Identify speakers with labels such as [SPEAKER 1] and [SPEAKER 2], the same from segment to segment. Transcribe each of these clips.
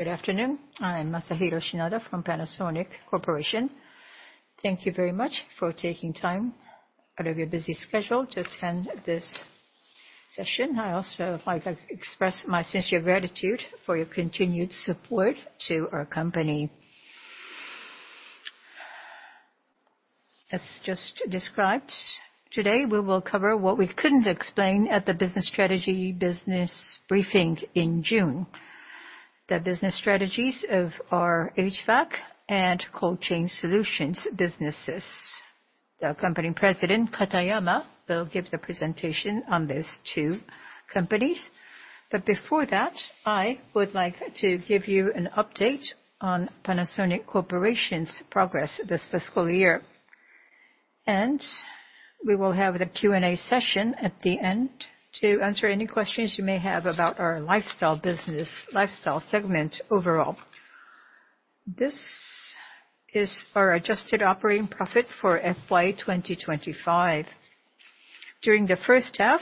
[SPEAKER 1] Good afternoon. I'm Masahiro Shinada from Panasonic Corporation. Thank you very much for taking time out of your busy schedule to attend this session. I also would like to express my sincere gratitude for your continued support to our company. As just described, today we will cover what we couldn't explain at the Business Strategy Business Briefing in June: the business strategies of our HVAC and cold chain solutions businesses. The company president, Katayama, will give the presentation on these two companies. Before that, I would like to give you an update on Panasonic Corporation's progress this fiscal year. We will have the Q&A session at the end to answer any questions you may have about our lifestyle business, lifestyle segment overall. This is our adjusted operating profit for FY 2025. During the first half,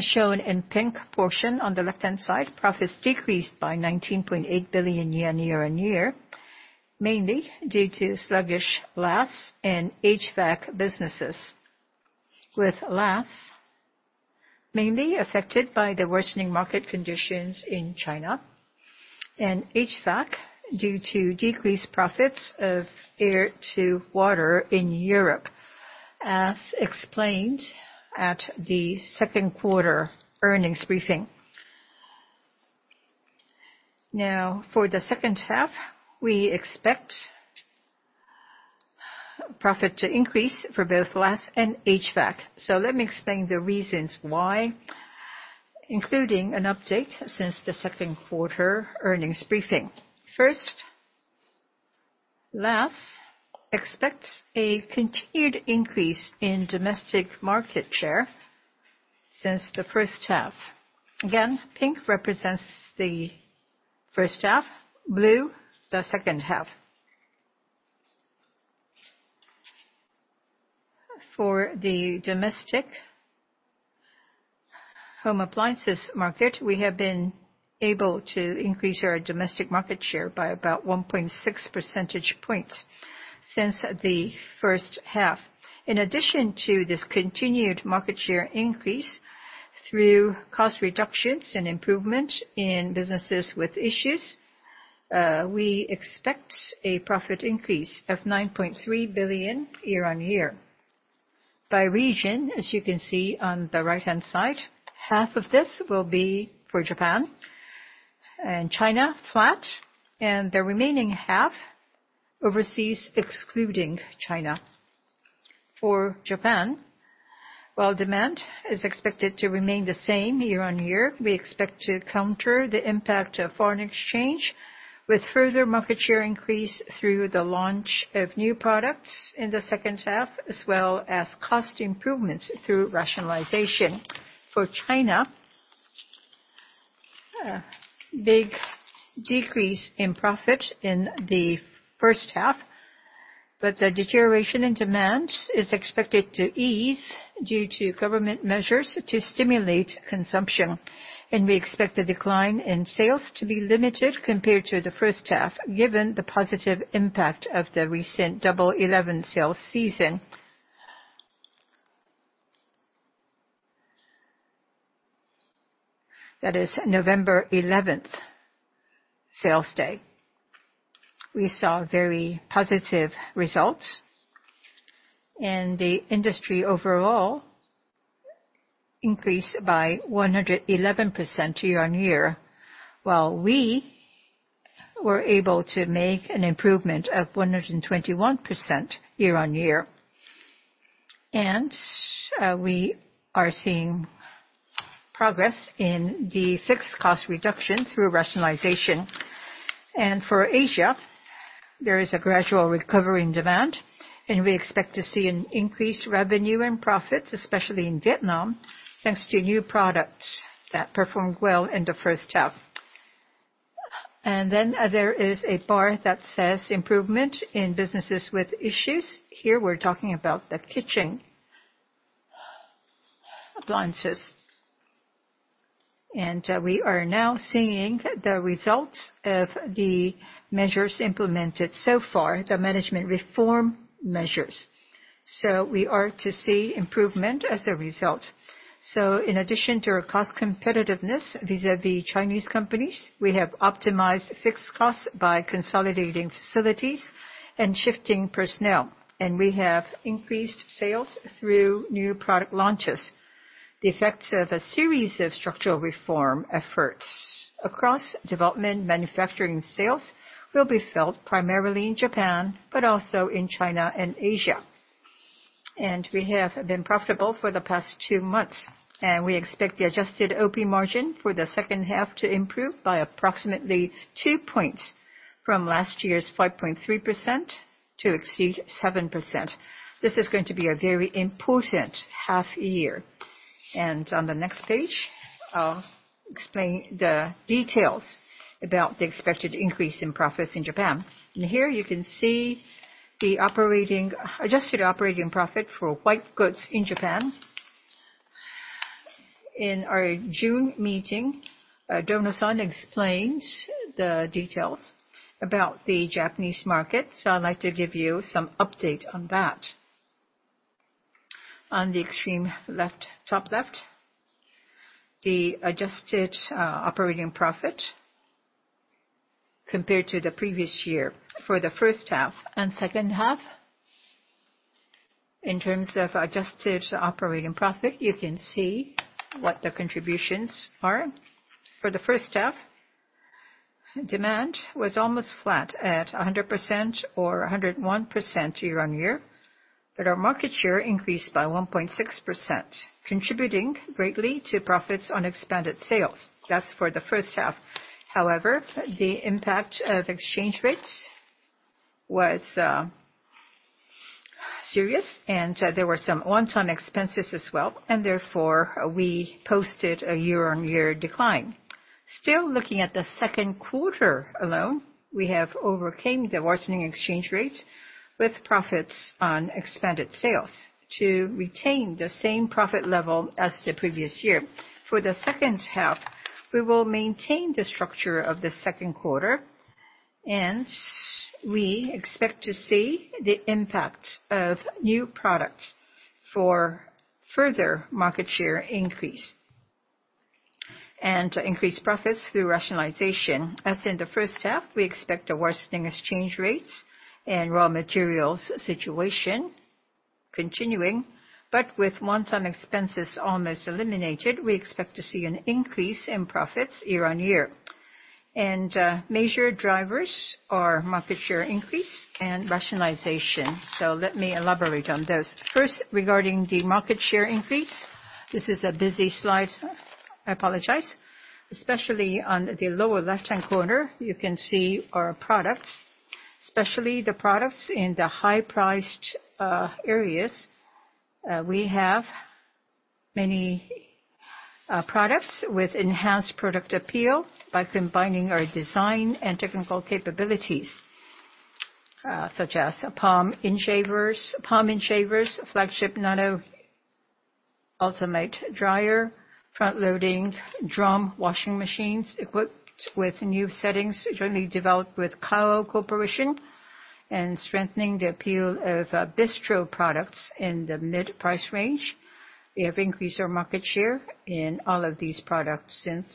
[SPEAKER 1] shown in pink portion on the left-hand side, profits decreased by 19.8 billion yen year on year, mainly due to sluggish LAS in HVAC businesses, with LAS mainly affected by the worsening market conditions in China and HVAC due to decreased profits of air-to-water in Europe, as explained at the second quarter earnings briefing. Now, for the second half, we expect profit to increase for both LAS and HVAC. Let me explain the reasons why, including an update since the second quarter earnings briefing. First, LAS expect a continued increase in domestic market share since the first half. Again, pink represents the first half, blue the second half. For the domestic home appliances market, we have been able to increase our domestic market share by about 1.6 percentage points since the first half. In addition to this continued market share increase through cost reductions and improvement in businesses with issues, we expect a profit increase of 9.3 billion year on year. By region, as you can see on the right-hand side, half of this will be for Japan and China, flat, and the remaining half overseas, excluding China. For Japan, while demand is expected to remain the same year on year, we expect to counter the impact of foreign exchange with further market share increase through the launch of new products in the second half, as well as cost improvements through rationalization. For China, big decrease in profit in the first half, but the deterioration in demand is expected to ease due to government measures to stimulate consumption. We expect the decline in sales to be limited compared to the first half, given the positive impact of the recent Double 11 sales season. That is November 11th, sales day. We saw very positive results in the industry overall, increased by 111% year on year, while we were able to make an improvement of 121% year on year. We are seeing progress in the fixed cost reduction through rationalization. For Asia, there is a gradual recovery in demand, and we expect to see increased revenue and profits, especially in Vietnam, thanks to new products that performed well in the first half. There is a bar that says improvement in businesses with issues. Here we are talking about the kitchen appliances. We are now seeing the results of the measures implemented so far, the management reform measures. We are to see improvement as a result. In addition to our cost competitiveness vis-à-vis Chinese companies, we have optimized fixed costs by consolidating facilities and shifting personnel. We have increased sales through new product launches. The effects of a series of structural reform efforts across development, manufacturing, sales will be felt primarily in Japan, but also in China and Asia. We have been profitable for the past two months, and we expect the adjusted OP margin for the second half to improve by approximately two percentage points from last year's 5.3% to exceed 7%. This is going to be a very important half year. On the next page, I'll explain the details about the expected increase in profits in Japan. Here you can see the adjusted operating profit for white goods in Japan. In our June meeting, Dono-san explained the details about the Japanese market. I would like to give you some update on that. On the extreme top left, the adjusted operating profit compared to the previous year for the first half and second half. In terms of adjusted operating profit, you can see what the contributions are. For the first half, demand was almost flat at 100% or 101% year on year, but our market share increased by 1.6%, contributing greatly to profits on expanded sales. That is for the first half. However, the impact of exchange rates was serious, and there were some one-time expenses as well. Therefore, we posted a year-on-year decline. Still looking at the second quarter alone, we have overcome the worsening exchange rates with profits on expanded sales to retain the same profit level as the previous year. For the second half, we will maintain the structure of the second quarter, and we expect to see the impact of new products for further market share increase and increased profits through rationalization. As in the first half, we expect a worsening exchange rates and raw materials situation continuing, but with one-time expenses almost eliminated, we expect to see an increase in profits year on year. Major drivers are market share increase and rationalization. Let me elaborate on those. First, regarding the market share increase, this is a busy slide. I apologize. Especially on the lower left-hand corner, you can see our products, especially the products in the high-priced areas. We have many products with enhanced product appeal by combining our design and technical capabilities, such as palm-in shavers, flagship nano ultimate dryer, front-loading drum washing machines equipped with new settings jointly developed with Kao Corporation, and strengthening the appeal of Bistro products in the mid-price range. We have increased our market share in all of these products since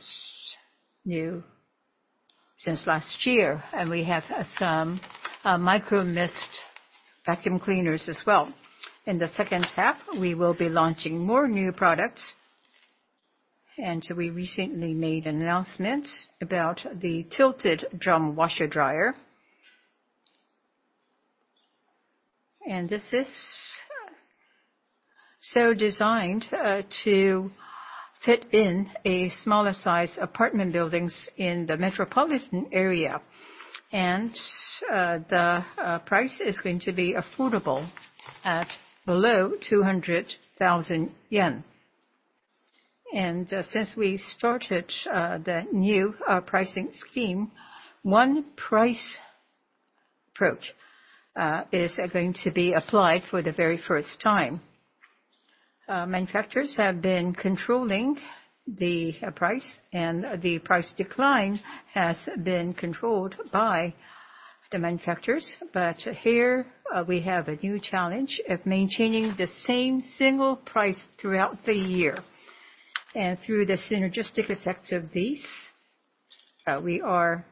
[SPEAKER 1] last year. We have some micro mist vacuum cleaners as well. In the second half, we will be launching more new products. We recently made an announcement about the tilted drum washer dryer. This is designed to fit in smaller-sized apartment buildings in the metropolitan area. The price is going to be affordable at below 200,000 yen. Since we started the new pricing scheme, one price approach is going to be applied for the very first time. Manufacturers have been controlling the price, and the price decline has been controlled by the manufacturers. Here, we have a new challenge of maintaining the same single price throughout the year. Through the synergistic effects of these, we are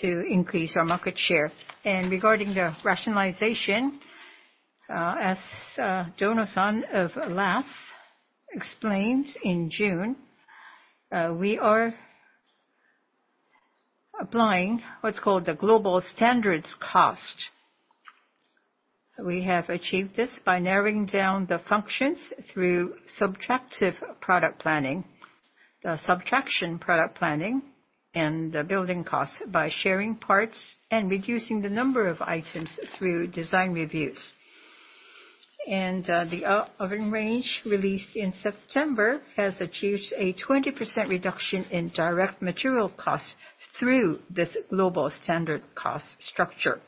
[SPEAKER 1] to increase our market share. Regarding the rationalization, as Dono-san of LAS explained in June, we are applying what is called the global standards cost. We have achieved this by narrowing down the functions through subtractive product planning, the subtraction product planning, and the building cost by sharing parts and reducing the number of items through design reviews. The oven range released in September has achieved a 20% reduction in direct material costs through this global standard cost structure.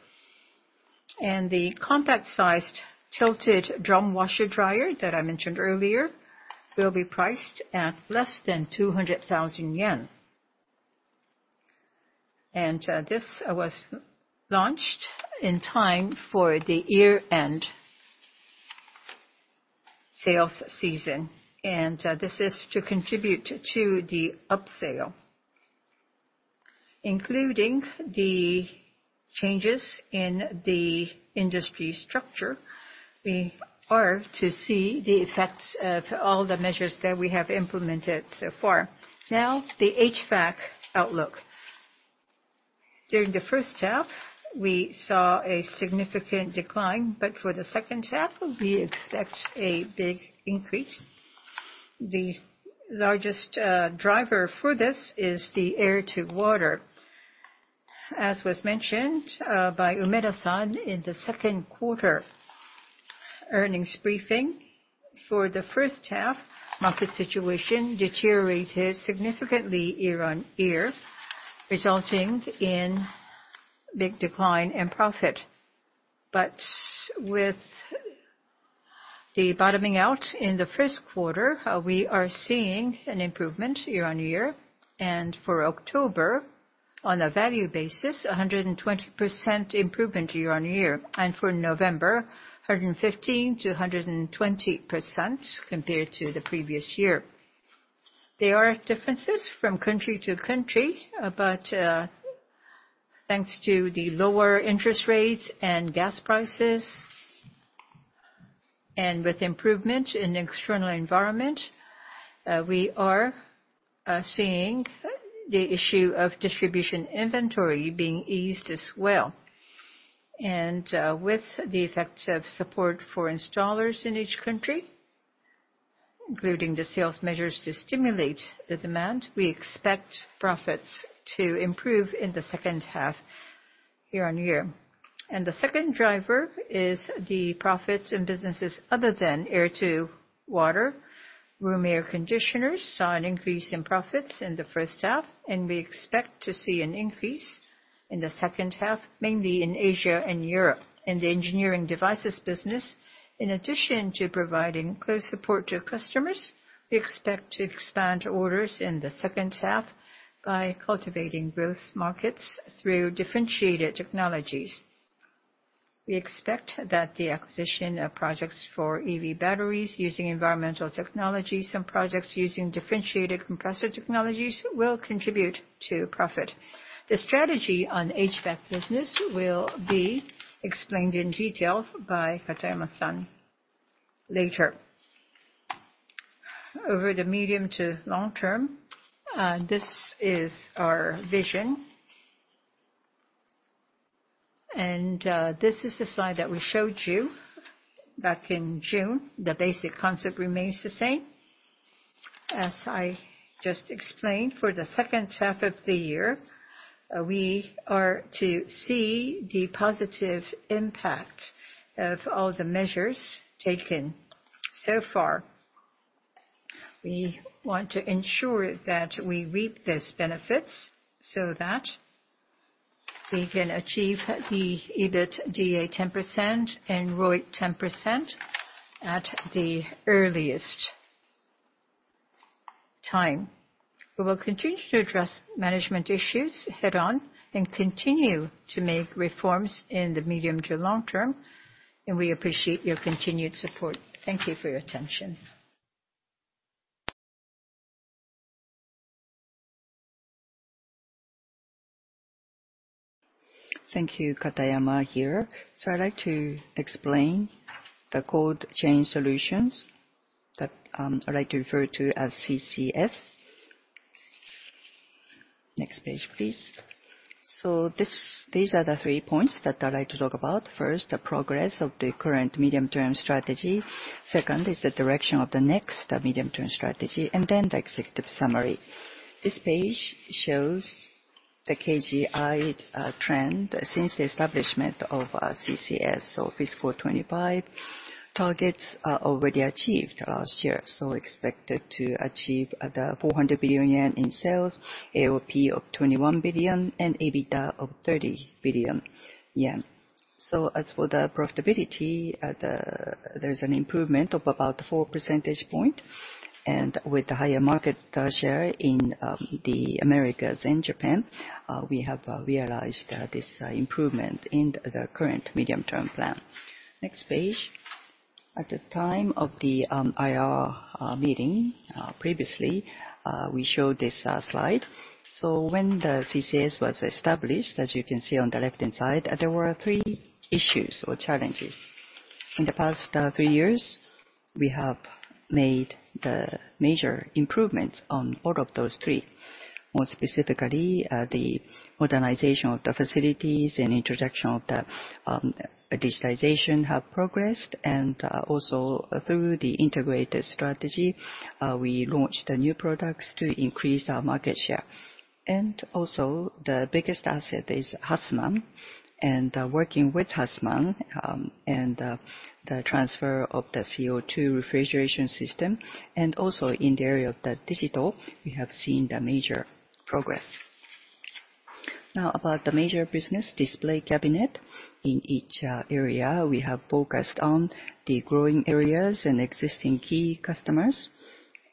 [SPEAKER 1] The compact-sized tilted drum washer dryer that I mentioned earlier will be priced at less than 200,000 yen. This was launched in time for the year-end sales season. This is to contribute to the upsell. Including the changes in the industry structure, we are to see the effects of all the measures that we have implemented so far. Now, the HVAC outlook. During the first half, we saw a significant decline, but for the second half, we expect a big increase. The largest driver for this is the air-to-water. As was mentioned by Umeda-san in the second quarter earnings briefing, for the first half, market situation deteriorated significantly year on year, resulting in big decline in profit. With the bottoming out in the first quarter, we are seeing an improvement year on year. For October, on a value basis, 120% improvement year on year. For November, 115%-120% compared to the previous year. There are differences from country to country, but thanks to the lower interest rates and gas prices, and with improvement in the external environment, we are seeing the issue of distribution inventory being eased as well. With the effects of support for installers in each country, including the sales measures to stimulate the demand, we expect profits to improve in the second half year on year. The second driver is the profits in businesses other than air-to-water. Room air conditioners saw an increase in profits in the first half, and we expect to see an increase in the second half, mainly in Asia and Europe. In the engineering devices business, in addition to providing close support to customers, we expect to expand orders in the second half by cultivating growth markets through differentiated technologies. We expect that the acquisition of projects for EV batteries using environmental technologies and projects using differentiated compressor technologies will contribute to profit. The strategy on HVAC business will be explained in detail by Katayama-san later. Over the medium to long term, this is our vision. This is the slide that we showed you back in June. The basic concept remains the same. As I just explained, for the second half of the year, we are to see the positive impact of all the measures taken so far. We want to ensure that we reap these benefits so that we can achieve the EBITDA 10% and ROI 10% at the earliest time. We will continue to address management issues head-on and continue to make reforms in the medium to long term. We appreciate your continued support. Thank you for your attention.
[SPEAKER 2] Thank you, Katayama here. I'd like to explain the cold chain solutions that I'd like to refer to as CCS. Next page, please. These are the three points that I'd like to talk about. First, the progress of the current medium-term strategy. Second is the direction of the next medium-term strategy. Then the executive summary. This page shows the KGI trend since the establishment of CCS. Fiscal 2025 targets are already achieved last year. Expected to achieve 400 billion yen in sales, AOP of 21 billion, and EBITDA of 30 billion yen. As for the profitability, there is an improvement of about 4 percentage points. With the higher market share in the Americas and Japan, we have realized this improvement in the current medium-term plan. Next page. At the time of the IR meeting previously, we showed this slide. When the CCS was established, as you can see on the left-hand side, there were three issues or challenges. In the past three years, we have made the major improvements on all of those three. More specifically, the modernization of the facilities and introduction of the digitization have progressed. Also, through the integrated strategy, we launched new products to increase our market share. Also, the biggest asset is Hussmann. Working with Hussmann and the transfer of the CO2 refrigeration system, and also in the area of the digital, we have seen the major progress. Now, about the major business display cabinet in each area, we have focused on the growing areas and existing key customers.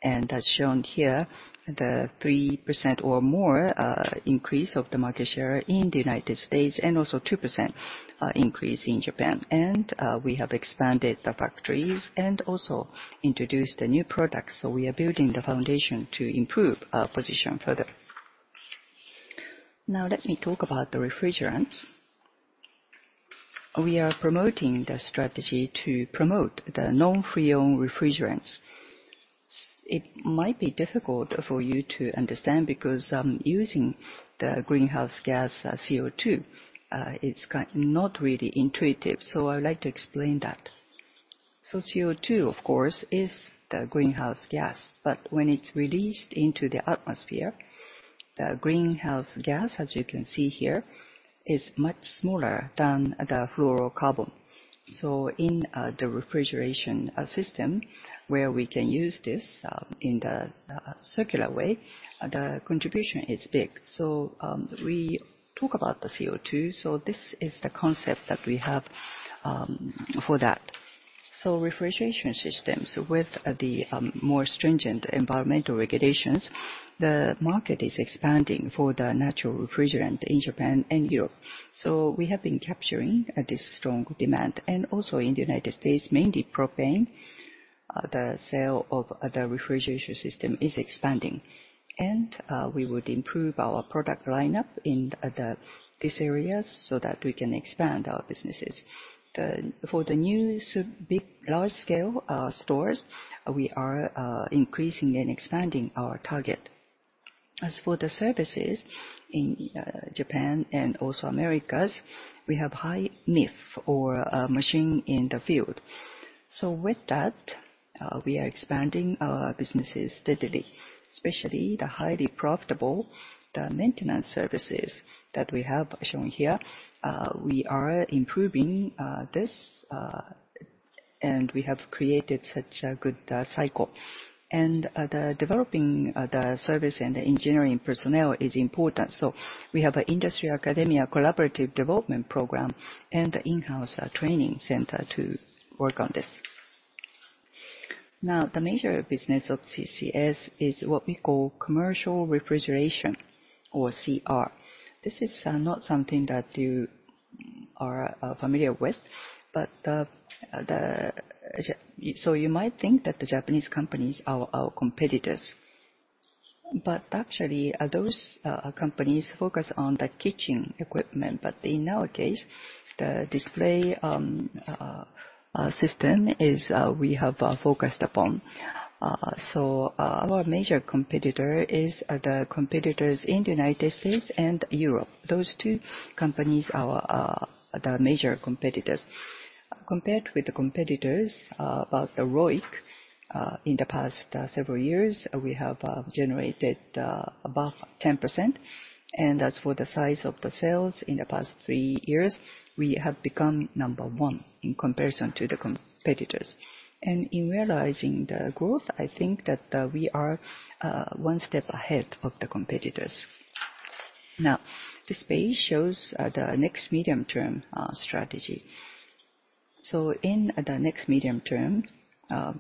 [SPEAKER 2] That's shown here, the 3% or more increase of the market share in the United States and also 2% increase in Japan. We have expanded the factories and also introduced the new products. We are building the foundation to improve our position further. Now, let me talk about the refrigerants. We are promoting the strategy to promote the non-fluorocarbon refrigerants. It might be difficult for you to understand because using the greenhouse gas CO2, it is not really intuitive. I would like to explain that. CO2, of course, is the greenhouse gas. When it is released into the atmosphere, the greenhouse gas, as you can see here, is much smaller than the fluorocarbon. In the refrigeration system, where we can use this in the circular way, the contribution is big. We talk about the CO2. This is the concept that we have for that. Refrigeration systems with the more stringent environmental regulations, the market is expanding for the natural refrigerant in Japan and Europe. We have been capturing this strong demand. Also, in the United States, mainly propane, the sale of the refrigeration system is expanding. We would improve our product lineup in these areas so that we can expand our businesses. For the new large-scale stores, we are increasing and expanding our target. As for the services in Japan and also Americas, we have high MIF or machine in the field. With that, we are expanding our businesses steadily, especially the highly profitable maintenance services that we have shown here. We are improving this, and we have created such a good cycle. Developing the service and the engineering personnel is important. We have an industry academia collaborative development program and the in-house training center to work on this. Now, the major business of CCS is what we call commercial refrigeration or CR. This is not something that you are familiar with. You might think that the Japanese companies are our competitors. Actually, those companies focus on the kitchen equipment. In our case, the display system is what we have focused upon. Our major competitor is the competitors in the United States and Europe. Those two companies are the major competitors. Compared with the competitors, about the ROIC in the past several years, we have generated above 10%. As for the size of the sales in the past three years, we have become number one in comparison to the competitors. In realizing the growth, I think that we are one step ahead of the competitors. This page shows the next medium-term strategy. In the next medium-term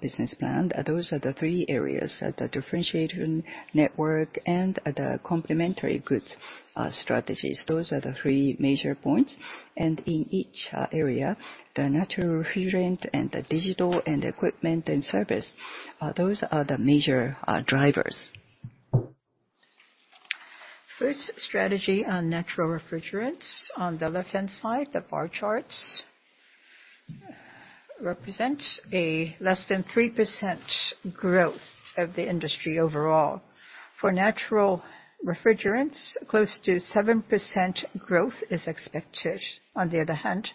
[SPEAKER 2] business plan, those are the three areas: the differentiated network and the complementary goods strategies. Those are the three major points. In each area, the natural refrigerant and the digital and equipment and service, those are the major drivers. First strategy on natural refrigerants. On the left-hand side, the bar charts represent a less than 3% growth of the industry overall. For natural refrigerants, close to 7% growth is expected. On the other hand,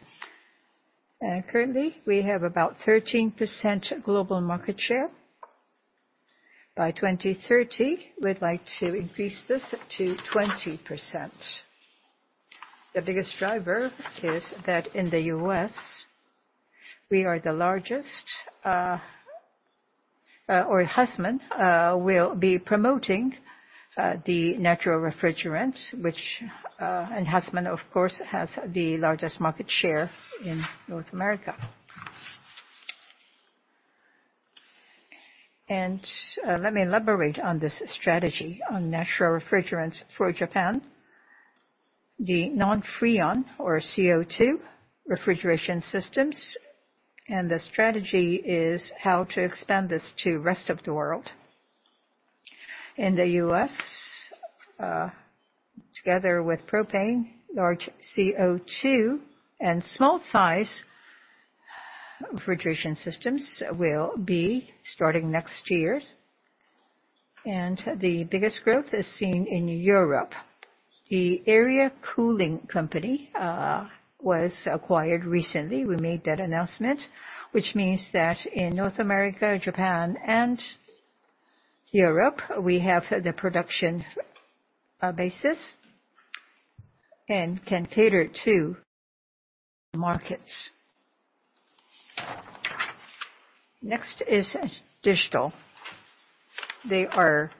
[SPEAKER 2] currently, we have about 13% global market share. By 2030, we would like to increase this to 20%. The biggest driver is that in the U.S., we are the largest, or Hussmann will be promoting the natural refrigerants, which Hussmann, of course, has the largest market share in North America. Let me elaborate on this strategy on natural refrigerants for Japan. The non-Freon or CO2 refrigeration systems, and the strategy is how to expand this to the rest of the world. In the U.S., together with propane, large CO2 and small-size refrigeration systems will be starting next year. The biggest growth is seen in Europe. The area cooling company was acquired recently. We made that announcement, which means that in North America, Japan, and Europe, we have the production basis and can cater to markets. Next is digital. There are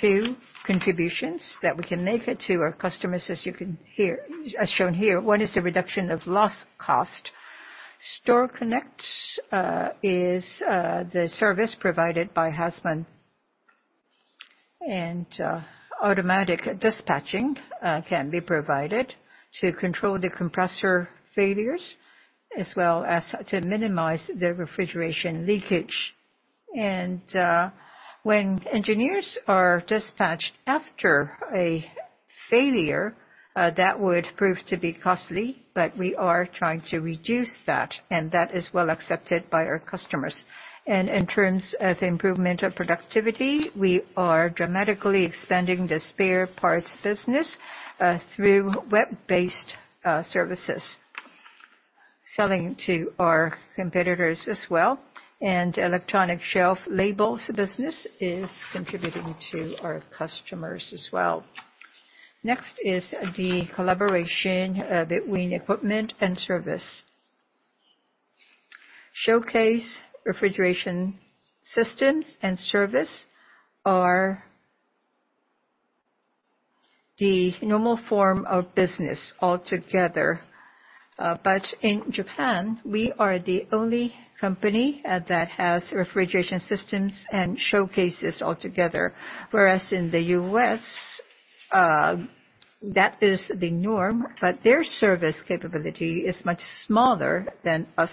[SPEAKER 2] two contributions that we can make to our customers, as you can hear, as shown here. One is the reduction of loss cost. Store Connect is the service provided by Hussman. Automatic dispatching can be provided to control the compressor failures as well as to minimize the refrigeration leakage. When engineers are dispatched after a failure, that would prove to be costly. We are trying to reduce that. That is well accepted by our customers. In terms of improvement of productivity, we are dramatically expanding the spare parts business through web-based services, selling to our competitors as well. The electronic shelf labels business is contributing to our customers as well. Next is the collaboration between equipment and service. Showcase refrigeration systems and service are the normal form of business altogether. In Japan, we are the only company that has refrigeration systems and showcases altogether. Whereas in the U.S., that is the norm, but their service capability is much smaller than us,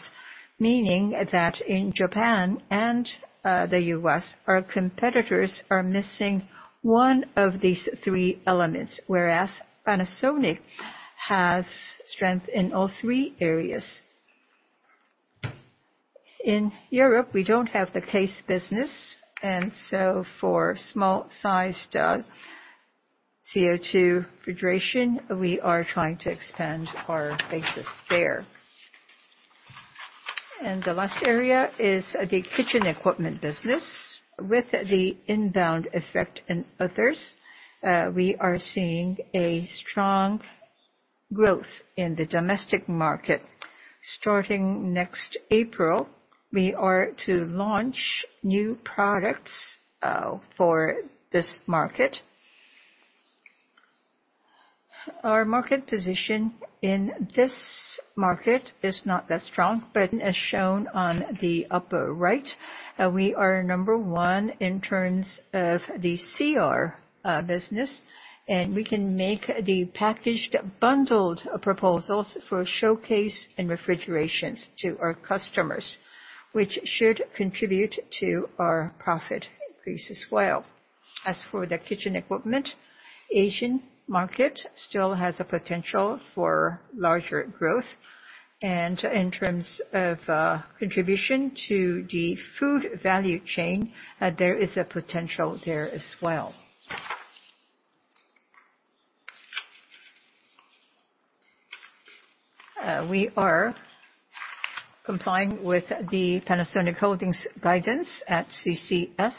[SPEAKER 2] meaning that in Japan and the U.S., our competitors are missing one of these three elements, whereas Panasonic has strength in all three areas. In Europe, we do not have the case business. For small-sized CO2 refrigeration, we are trying to expand our basis there. The last area is the kitchen equipment business. With the inbound effect and others, we are seeing a strong growth in the domestic market. Starting next April, we are to launch new products for this market. Our market position in this market is not that strong, but as shown on the upper right, we are number one in terms of the CR business. We can make the packaged bundled proposals for showcase and refrigerations to our customers, which should contribute to our profit increase as well. As for the kitchen equipment, Asian market still has a potential for larger growth. In terms of contribution to the food value chain, there is a potential there as well. We are complying with the Panasonic Holdings guidance at CCS.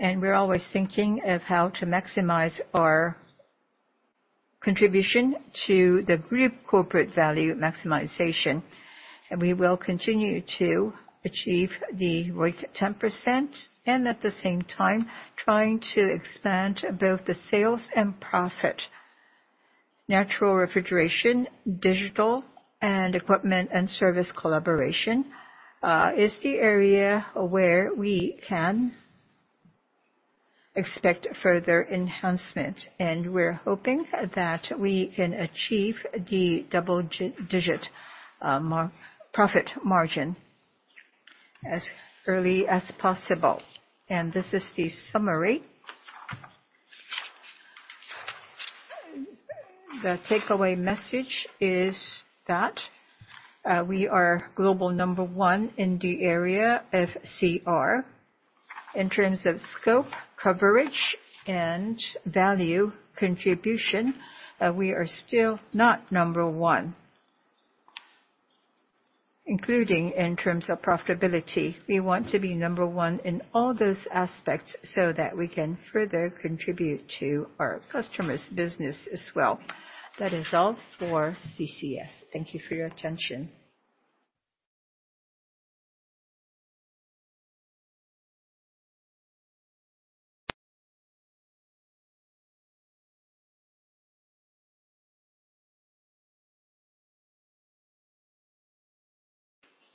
[SPEAKER 2] We are always thinking of how to maximize our contribution to the group corporate value maximization. We will continue to achieve the ROIC 10% and at the same time trying to expand both the sales and profit. Natural refrigeration, digital, and equipment and service collaboration is the area where we can expect further enhancement. We are hoping that we can achieve the double-digit profit margin as early as possible. This is the summary. The takeaway message is that we are global number one in the area of CR. In terms of scope, coverage, and value contribution, we are still not number one, including in terms of profitability. We want to be number one in all those aspects so that we can further contribute to our customers' business as well. That is all for CCS. Thank you for your attention.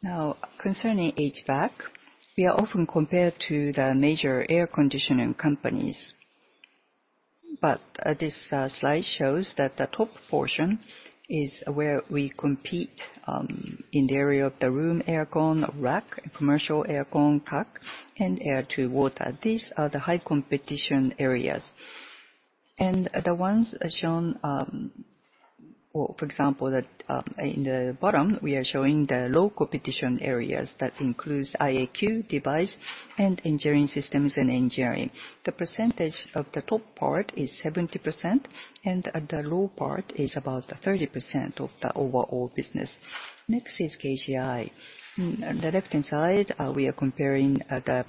[SPEAKER 2] Now, concerning HVAC, we are often compared to the major air conditioning companies. This slide shows that the top portion is where we compete in the area of the room aircon RAC, commercial aircon CAC, and air-to-water. These are the high competition areas. The ones shown, for example, in the bottom, we are showing the low competition areas that include IAQ device and engineering systems and engineering. The percentage of the top part is 70%, and the low part is about 30% of the overall business. Next is KGI. On the left-hand side, we are comparing the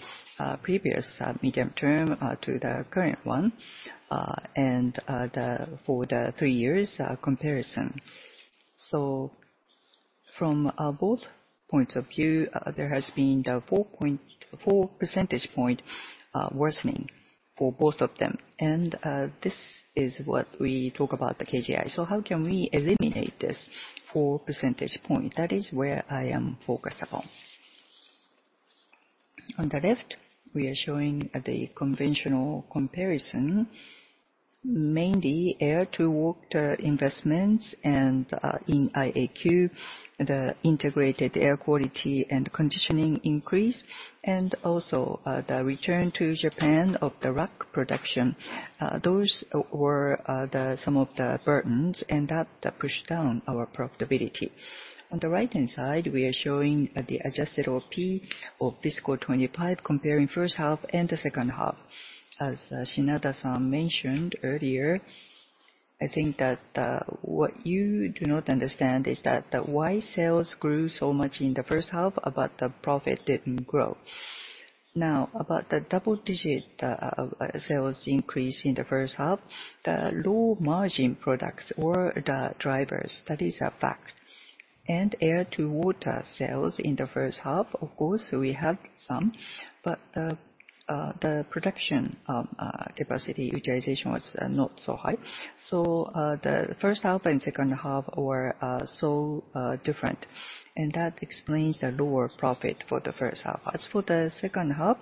[SPEAKER 2] previous medium term to the current one and for the three years comparison. From both points of view, there has been a 4 percetage point worsening for both of them. This is what we talk about with the KGI. How can we eliminate this 4 percentage point? That is where I am focused upon. On the left, we are showing the conventional comparison, mainly air-to-water investments and in IAQ, the integrated air quality and conditioning increase, and also the return to Japan of the RAC production. Those were some of the burdens, and that pushed down our profitability. On the right-hand side, we are showing the adjusted OP of fiscal 2025, comparing first half and the second half. As Shinada-san mentioned earlier, I think that what you do not understand is that the Y sales grew so much in the first half, but the profit did not grow. Now, about the double-digit sales increase in the first half, the low margin products were the drivers. That is a fact. And air-to-water sales in the first half, of course, we had some, but the production capacity utilization was not so high. The first half and second half were so different. That explains the lower profit for the first half. As for the second half,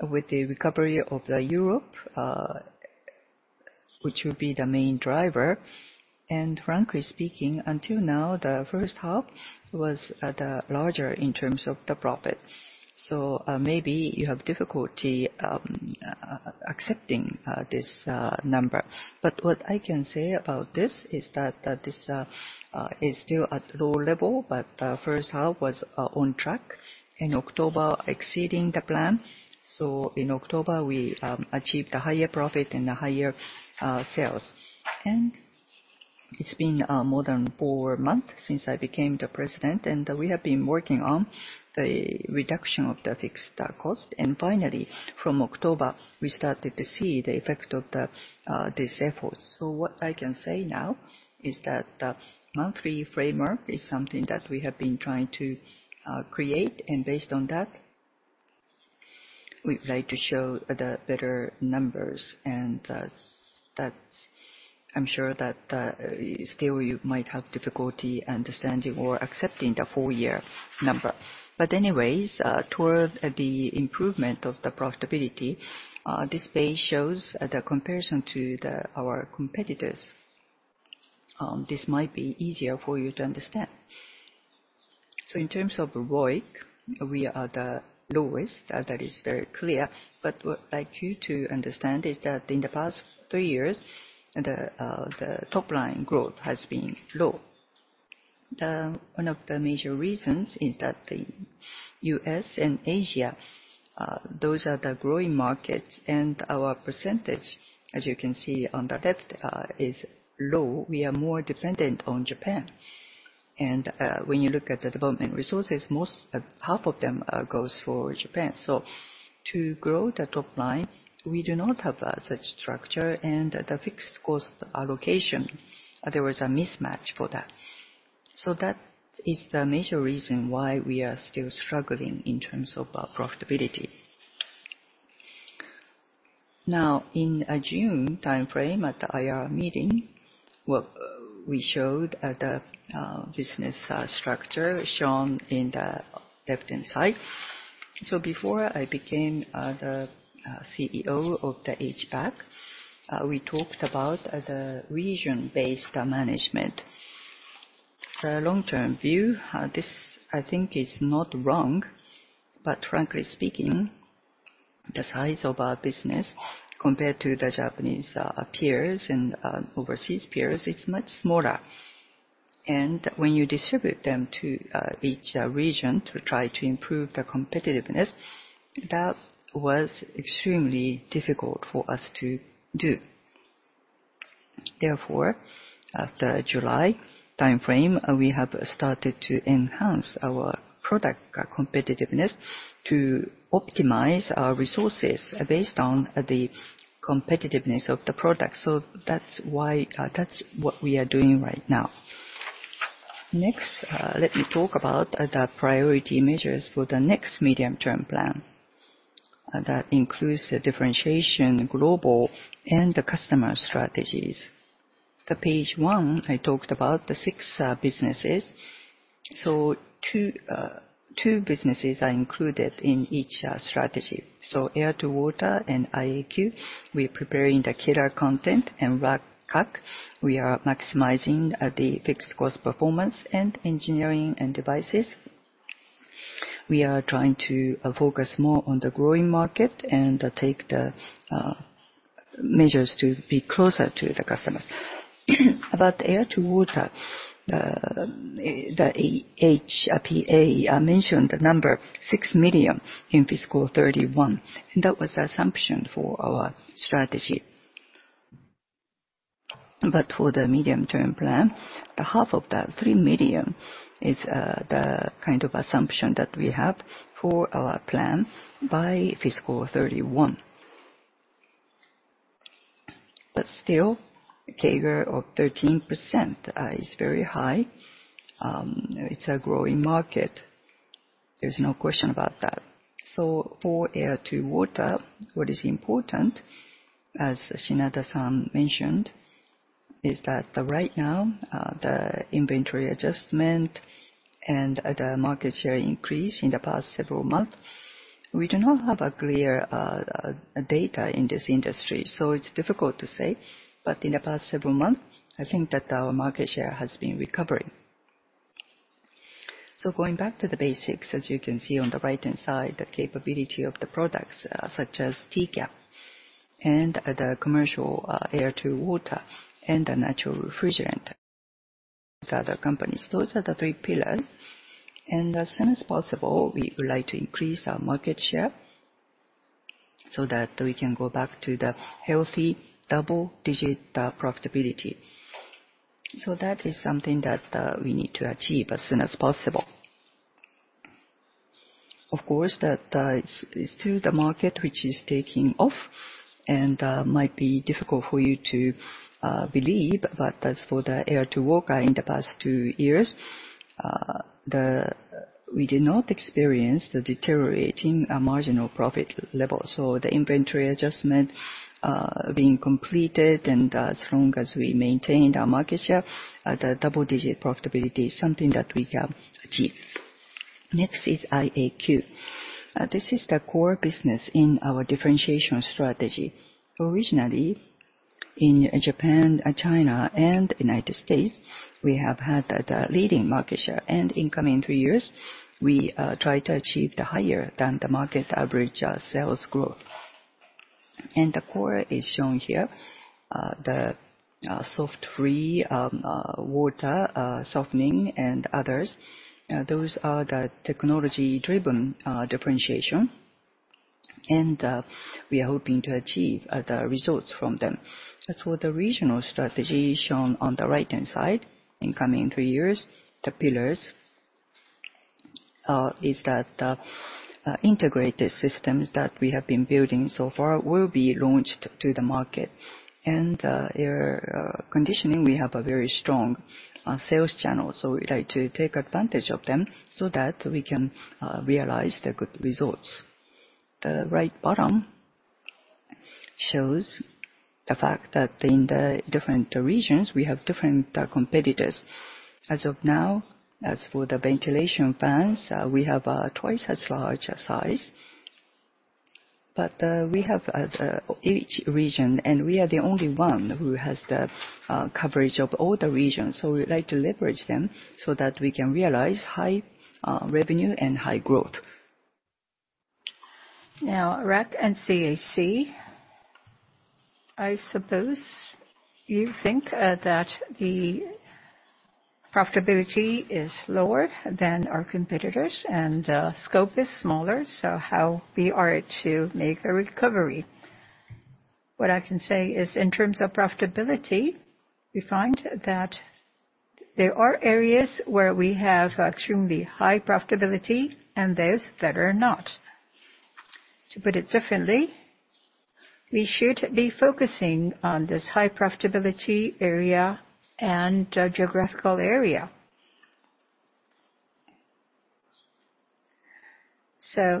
[SPEAKER 2] with the recovery of Europe, which will be the main driver, and frankly speaking, until now, the first half was larger in terms of the profit. You may have difficulty accepting this number. What I can say about this is that this is still at a low level, but the first half was on track in October, exceeding the plan. In October, we achieved a higher profit and higher sales. It has been more than four months since I became the President, and we have been working on the reduction of the fixed cost. Finally, from October, we started to see the effect of these efforts. What I can say now is that the monthly framework is something that we have been trying to create. Based on that, we'd like to show the better numbers. I'm sure that still you might have difficulty understanding or accepting the four-year number. Anyways, toward the improvement of the profitability, this page shows the comparison to our competitors. This might be easier for you to understand. In terms of ROIC, we are the lowest. That is very clear. What I'd like you to understand is that in the past three years, the top-line growth has been low. One of the major reasons is that the U.S. and Asia, those are the growing markets, and our percentage, as you can see on the left, is low. We are more dependent on Japan. When you look at the development resources, most half of them goes for Japan. To grow the top line, we do not have such structure. The fixed cost allocation, there was a mismatch for that. That is the major reason why we are still struggling in terms of profitability. In a June timeframe at the IR meeting, we showed the business structure shown in the left-hand side. Before I became the CEO of the HVAC, we talked about the region-based management. The long-term view, this I think is not wrong. Frankly speaking, the size of our business compared to the Japanese peers and overseas peers is much smaller. When you distribute them to each region to try to improve the competitiveness, that was extremely difficult for us to do. Therefore, after July timeframe, we have started to enhance our product competitiveness to optimize our resources based on the competitiveness of the product. That is what we are doing right now. Next, let me talk about the priority measures for the next medium-term plan. That includes the differentiation, global, and the customer strategies. At page one, I talked about the six businesses. Two businesses are included in each strategy. Air-to-water and IAQ, we are preparing the killer content. RAC, CAC, we are maximizing the fixed cost performance, and engineering and devices, we are trying to focus more on the growing market and take the measures to be closer to the customers. About air-to-water, the HPA mentioned the number 6 million in fiscal 2031. That was the assumption for our strategy. For the medium-term plan, half of that, 3 million, is the kind of assumption that we have for our plan by fiscal 2031. Still, a CAGR of 13% is very high. It is a growing market. There is no question about that. For air to water, what is important, as Shinada-san mentioned, is that right now, the inventory adjustment and the market share increase in the past several months, we do not have clear data in this industry. It is difficult to say. In the past several months, I think that our market share has been recovering. Going back to the basics, as you can see on the right-hand side, the capability of the products such as TCAP and the commercial air-to-water and the natural refrigerant with other companies. Those are the three pillars. As soon as possible, we would like to increase our market share so that we can go back to the healthy double-digit profitability. That is something that we need to achieve as soon as possible. Of course, that is still the market which is taking off and might be difficult for you to believe. As for the air-to-water, in the past two years, we did not experience the deteriorating marginal profit level. The inventory adjustment being completed, and as long as we maintained our market share, the double-digit profitability is something that we can achieve. Next is IAQ. This is the core business in our differentiation strategy. Originally, in Japan, China, and the United States, we have had the leading market share. In the coming three years, we try to achieve higher than the market average sales growth. The core is shown here. The salt-free water softening and others, those are the technology-driven differentiation. We are hoping to achieve the results from them. As for the regional strategy shown on the right-hand side, in coming three years, the pillars is that the integrated systems that we have been building so far will be launched to the market. In air conditioning, we have a very strong sales channel. We would like to take advantage of them so that we can realize the good results. The right bottom shows the fact that in the different regions, we have different competitors. As of now, as for the ventilation fans, we have a twice as large size. We have each region, and we are the only one who has the coverage of all the regions. We would like to leverage them so that we can realize high revenue and high growth. Now, RAC and CAC, I suppose you think that the profitability is lower than our competitors and scope is smaller. How are we to make a recovery? What I can say is, in terms of profitability, we find that there are areas where we have extremely high profitability and those that are not. To put it differently, we should be focusing on this high profitability area and geographical area.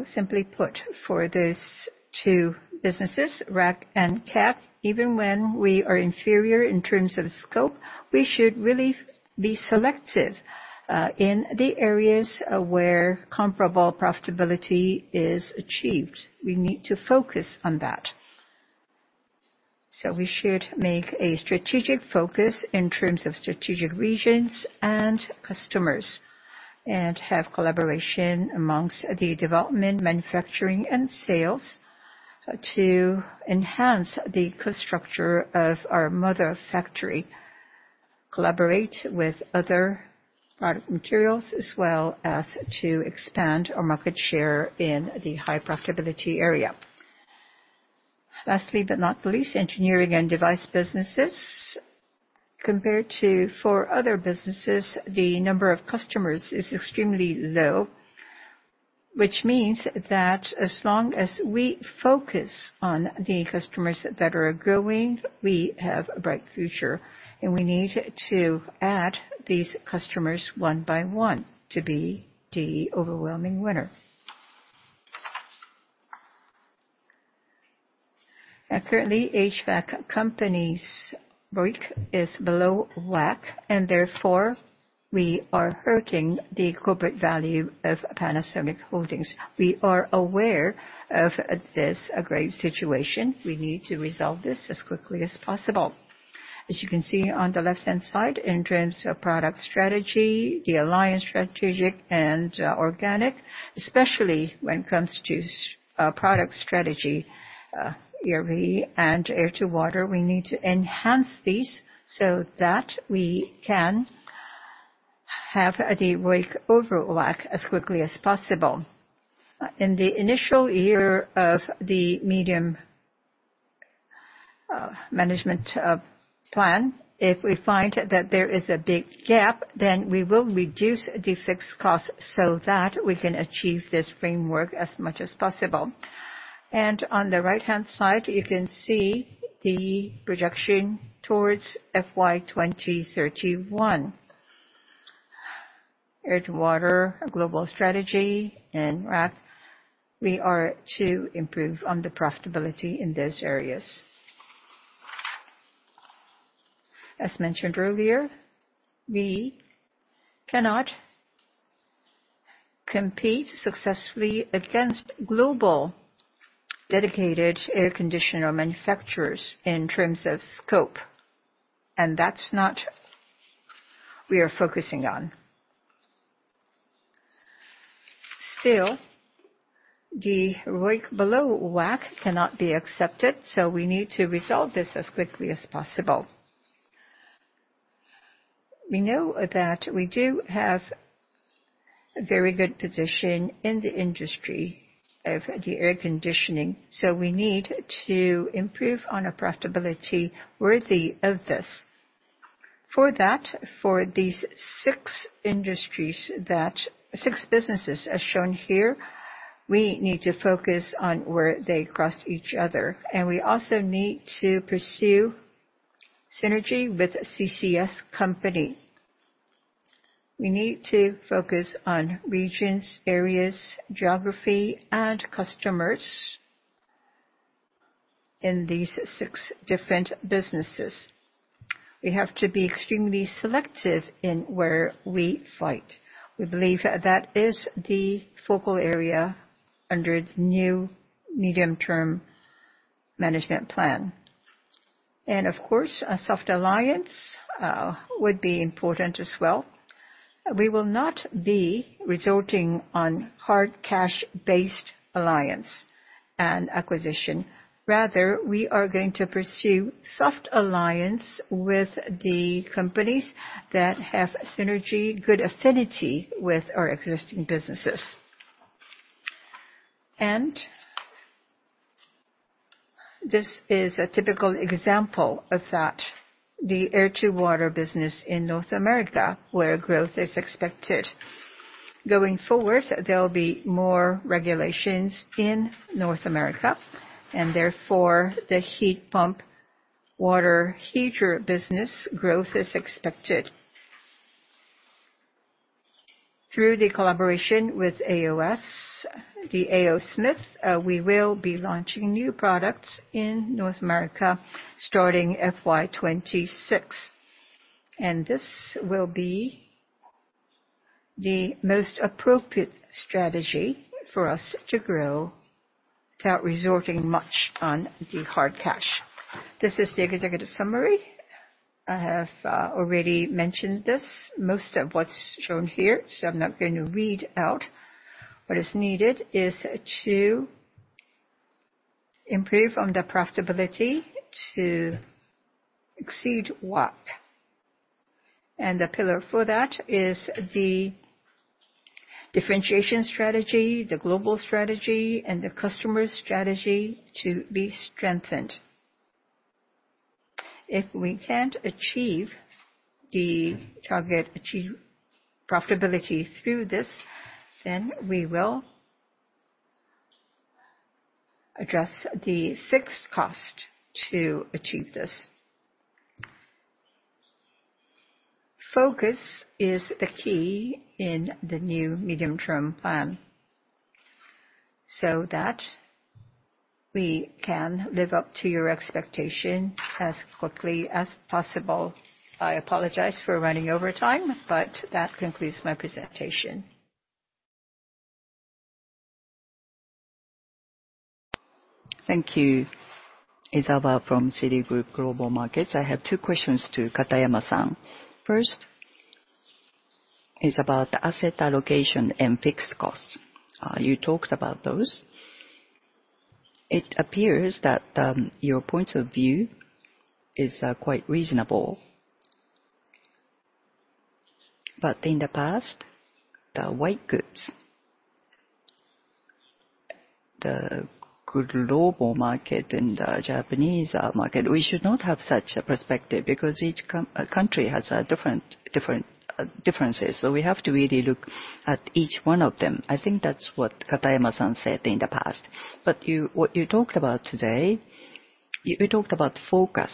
[SPEAKER 2] Simply put, for these two businesses, RAC and CAC, even when we are inferior in terms of scope, we should really be selective in the areas where comparable profitability is achieved. We need to focus on that. We should make a strategic focus in terms of strategic regions and customers and have collaboration amongst the development, manufacturing, and sales to enhance the structure of our mother factory, collaborate with other product materials as well as to expand our market share in the high profitability area. Lastly, but not the least, engineering and device businesses. Compared to four other businesses, the number of customers is extremely low, which means that as long as we focus on the customers that are growing, we have a bright future. We need to add these customers one by one to be the overwhelming winner. Currently, HVAC companies' ROIC is below WACC, and therefore, we are hurting the corporate value of Panasonic Holdings. We are aware of this grave situation. We need to resolve this as quickly as possible. As you can see on the left-hand side, in terms of product strategy, the alliance strategic and organic, especially when it comes to product strategy, ERV and air-to-water, we need to enhance these so that we can have the ROIC over WACC as quickly as possible. In the initial year of the medium management plan, if we find that there is a big gap, we will reduce the fixed costs so that we can achieve this framework as much as possible. On the right-hand side, you can see the projection towards FY 2031. Air-to-water, global strategy, and RAC, we are to improve on the profitability in those areas. As mentioned earlier, we cannot compete successfully against global dedicated air conditioner manufacturers in terms of scope. That is not what we are focusing on. Still, the ROIC below WACC cannot be accepted, so we need to resolve this as quickly as possible. We know that we do have a very good position in the industry of the air conditioning, so we need to improve on a profitability worthy of this. For that, for these six businesses as shown here, we need to focus on where they cross each other. We also need to pursue synergy with CCS company. We need to focus on regions, areas, geography, and customers in these six different businesses. We have to be extremely selective in where we fight. We believe that is the focal area under the new medium-term management plan. Of course, a soft alliance would be important as well. We will not be resulting in hard cash-based alliance and acquisition. Rather, we are going to pursue soft alliance with the companies that have synergy, good affinity with our existing businesses. This is a typical example of that, the air-to-water business in North America where growth is expected. Going forward, there will be more regulations in North America. Therefore, the heat pump water heater business growth is expected. Through the collaboration with A.O. Smith, we will be launching new products in North America starting FY 2026. This will be the most appropriate strategy for us to grow without resulting much on the hard cash. This is the executive summary. I have already mentioned this. Most of what is shown here, so I am not going to read out. What is needed is to improve on the profitability to exceed WACC. The pillar for that is the differentiation strategy, the global strategy, and the customer strategy to be strengthened. If we cannot achieve the target achieved profitability through this, we will address the fixed cost to achieve this. Focus is the key in the new medium-term plan so that we can live up to your expectation as quickly as possible. I apologize for running over time, but that concludes my presentation.
[SPEAKER 3] Thank you, Ezawa from Citigroup Global Markets. I have two questions to Katayama-san. First is about asset allocation and fixed costs. You talked about those. It appears that your point of view is quite reasonable. In the past, the white goods, the global market, and the Japanese market, we should not have such a perspective because each country has different differences. We have to really look at each one of them. I think that's what Katayama-san said in the past. What you talked about today, you talked about focus.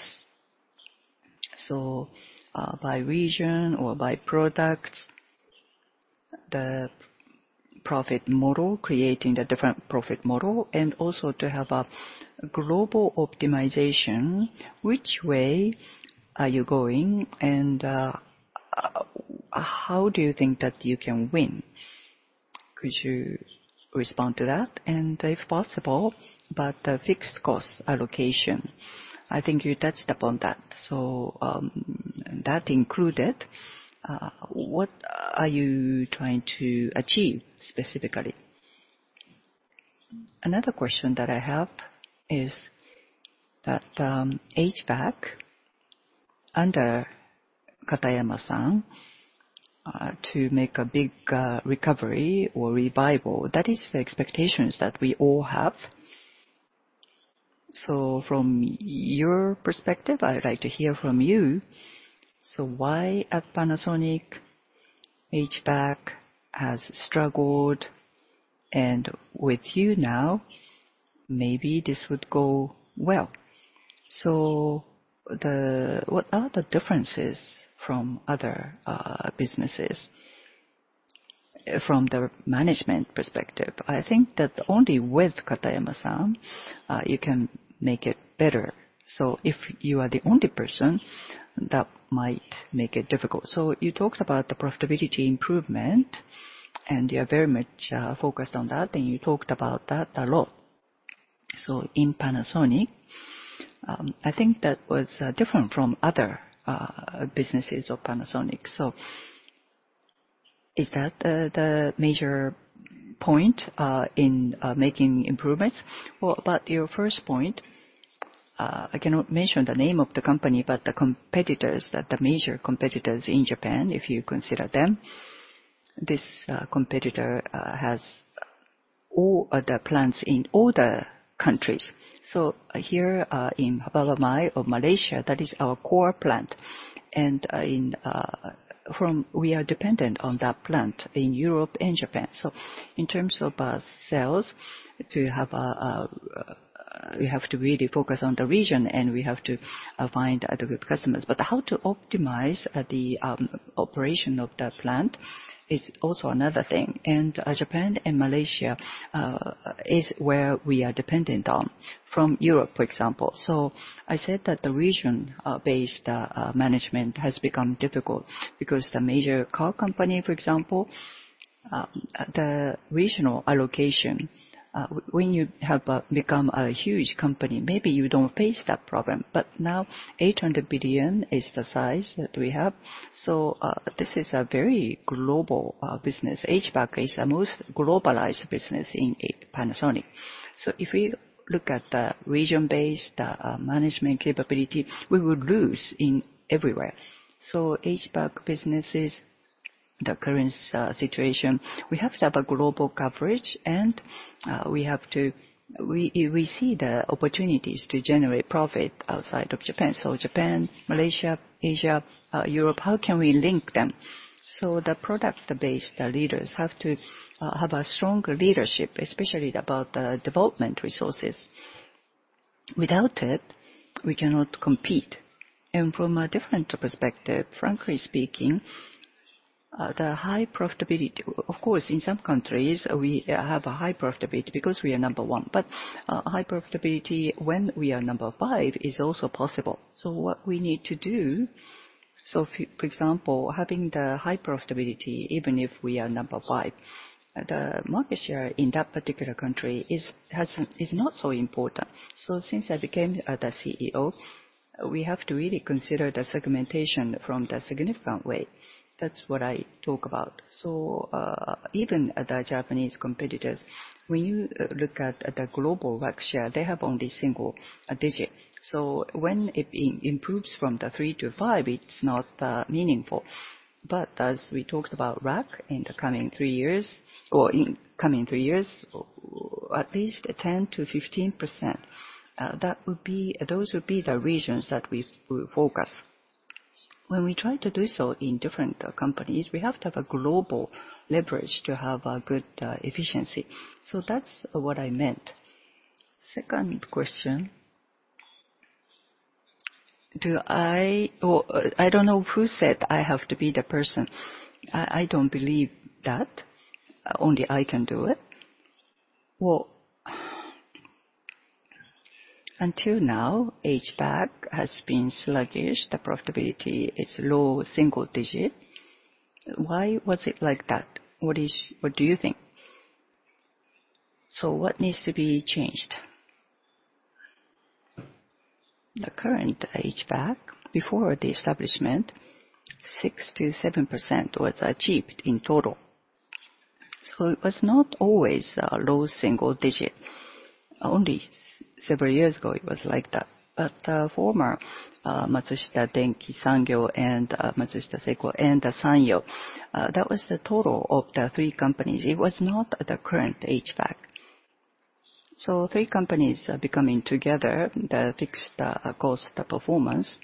[SPEAKER 3] By region or by products, the profit model, creating the different profit model, and also to have a global optimization. Which way are you going? How do you think that you can win? Could you respond to that? If possible, about the fixed cost allocation. I think you touched upon that. That included, what are you trying to achieve specifically? Another question that I have is that HVAC under Katayama-san to make a big recovery or revival. That is the expectations that we all have. From your perspective, I'd like to hear from you. Why has Panasonic HVAC struggled? And with you now, maybe this would go well. What are the differences from other businesses from the management perspective? I think that only with Katayama-san you can make it better. If you are the only person, that might make it difficult. You talked about the profitability improvement, and you are very much focused on that, and you talked about that a lot. In Panasonic, I think that was different from other businesses of Panasonic. Is that the major point in making improvements?
[SPEAKER 2] About your first point, I cannot mention the name of the company, but the competitors, the major competitors in Japan, if you consider them. This competitor has all the plants in all the countries. Here in Malaysia, that is our core plant. We are dependent on that plant in Europe and Japan. In terms of sales, we have to really focus on the region, and we have to find the good customers. How to optimize the operation of that plant is also another thing. Japan and Malaysia are where we are dependent on, from Europe, for example. I said that the region-based management has become difficult because the major car company, for example, the regional allocation, when you have become a huge company, maybe you do not face that problem. Now, 800 billion is the size that we have. This is a very global business. HVAC is the most globalized business in Panasonic. If we look at the region-based management capability, we will lose everywhere. HVAC businesses, the current situation, we have to have a global coverage, and we see the opportunities to generate profit outside of Japan. Japan, Malaysia, Asia, Europe, how can we link them? The product-based leaders have to have a strong leadership, especially about development resources. Without it, we cannot compete. From a different perspective, frankly speaking, the high profitability, of course, in some countries, we have a high profitability because we are number one. High profitability when we are number five is also possible. What we need to do, for example, having the high profitability, even if we are number five, the market share in that particular country is not so important. Since I became the CEO, we have to really consider the segmentation from the significant way. That's what I talk about. Even the Japanese competitors, when you look at the global WACC share, they have only single digit. When it improves from three to five, it's not meaningful. As we talked about WACC in the coming three years, or in coming three years, at least 10%-15%, those would be the regions that we focus. When we try to do so in different companies, we have to have a global leverage to have good efficiency. That's what I meant. Second question. I don't know who said I have to be the person. I don't believe that only I can do it. Until now, HVAC has been sluggish. The profitability is low, single digit. Why was it like that? What do you think? What needs to be changed? The current HVAC, before the establishment, 6-7% was achieved in total. It was not always low single digit. Only several years ago, it was like that. Former Matsushita Denki Sangyo and Matsushita Seiko and Sanyo, that was the total of the three companies. It was not the current HVAC. Three companies becoming together, the fixed cost, the performance,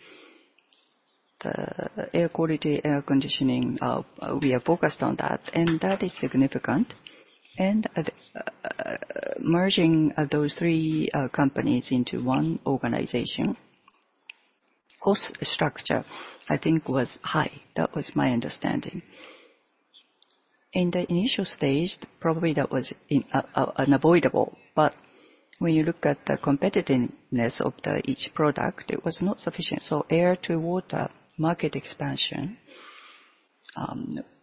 [SPEAKER 2] the air quality, air conditioning, we are focused on that. That is significant. Merging those three companies into one organization, cost structure, I think was high. That was my understanding. In the initial stage, probably that was unavoidable. When you look at the competitiveness of each product, it was not sufficient. Air-to-water market expansion,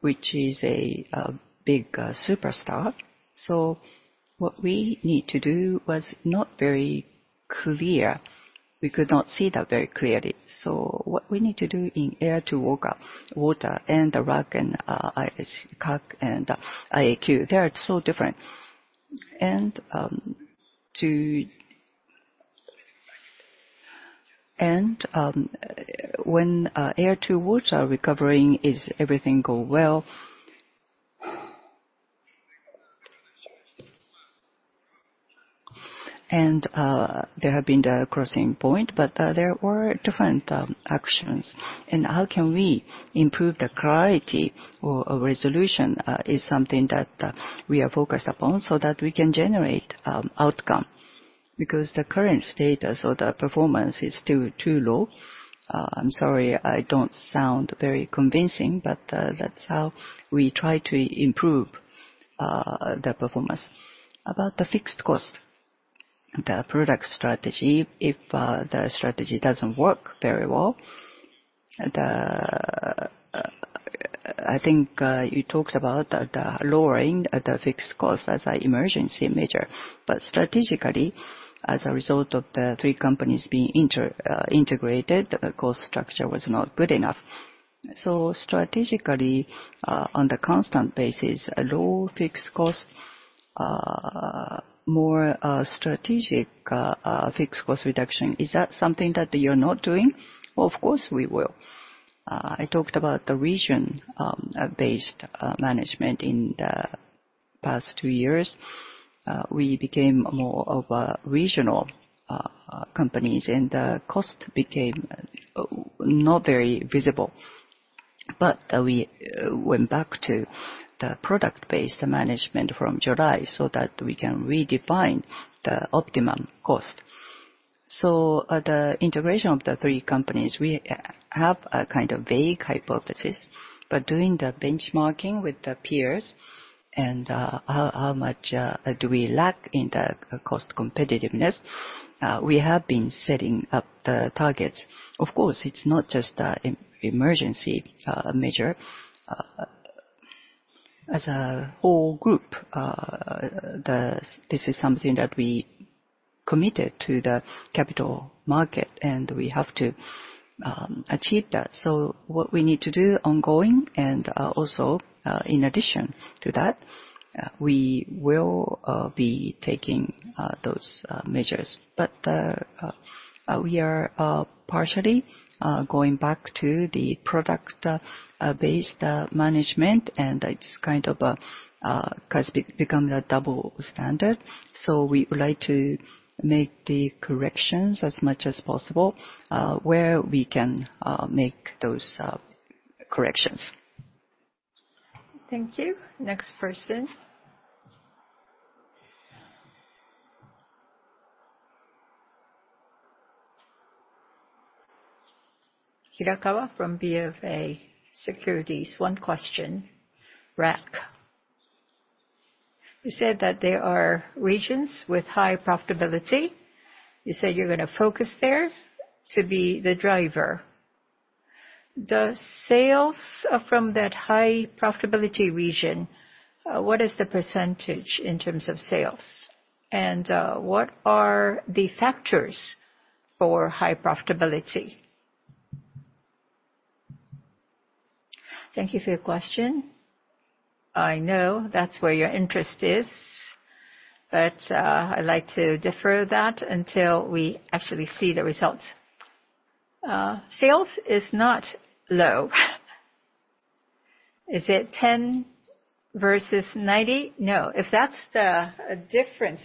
[SPEAKER 2] which is a big superstar. What we need to do was not very clear. We could not see that very clearly. What we need to do in air-to-water and the RAC, CAC and IAQ, they are so different. When air-to-water recovering is everything go well. There have been the crossing point, but there were different actions. How can we improve the clarity or resolution is something that we are focused upon so that we can generate outcome. Because the current status or the performance is too low. I'm sorry, I don't sound very convincing, but that's how we try to improve the performance. About the fixed cost, the product strategy, if the strategy doesn't work very well, I think you talked about the lowering of the fixed cost as an emergency measure. Strategically, as a result of the three companies being integrated, the cost structure was not good enough. Strategically, on the constant basis, low fixed cost, more strategic fixed cost reduction, is that something that you're not doing? Of course, we will. I talked about the region-based management in the past two years. We became more of a regional companies, and the cost became not very visible. We went back to the product-based management from July so that we can redefine the optimum cost. The integration of the three companies, we have a kind of vague hypothesis. Doing the benchmarking with the peers and how much do we lack in the cost competitiveness, we have been setting up the targets. Of course, it's not just an emergency measure. As a whole group, this is something that we committed to the capital market, and we have to achieve that. What we need to do ongoing and also, in addition to that, we will be taking those measures. We are partially going back to the product-based management, and it has kind of become a double standard. We would like to make the corrections as much as possible where we can make those corrections. Thank you. Next person.
[SPEAKER 4] Hirakawa from BofA Securities. One question. RAC. You said that there are regions with high profitability. You said you are going to focus there to be the driver. The sales from that high profitability region, what is the percentage in terms of sales? What are the factors for high profitability?
[SPEAKER 2] Thank you for your question. I know that is where your interest is, but I would like to defer that until we actually see the results. Sales is not low. Is it 10% versus 90%? No. If that's the difference,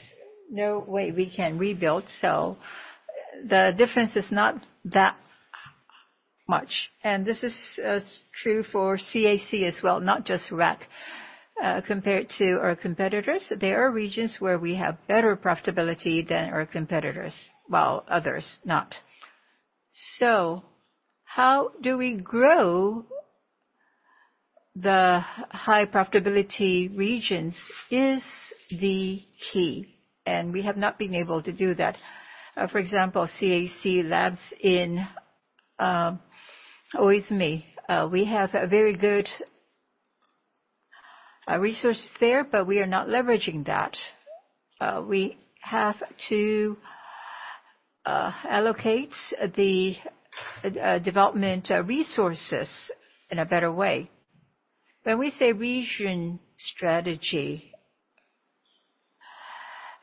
[SPEAKER 2] no way we can rebuild. The difference is not that much. This is true for CAC as well, not just RAC. Compared to our competitors, there are regions where we have better profitability than our competitors, while others not. How do we grow the high profitability regions is the key. We have not been able to do that. For example, CAC Labs in Oizumi, we have a very good resource there, but we are not leveraging that. We have to allocate the development resources in a better way. When we say region strategy,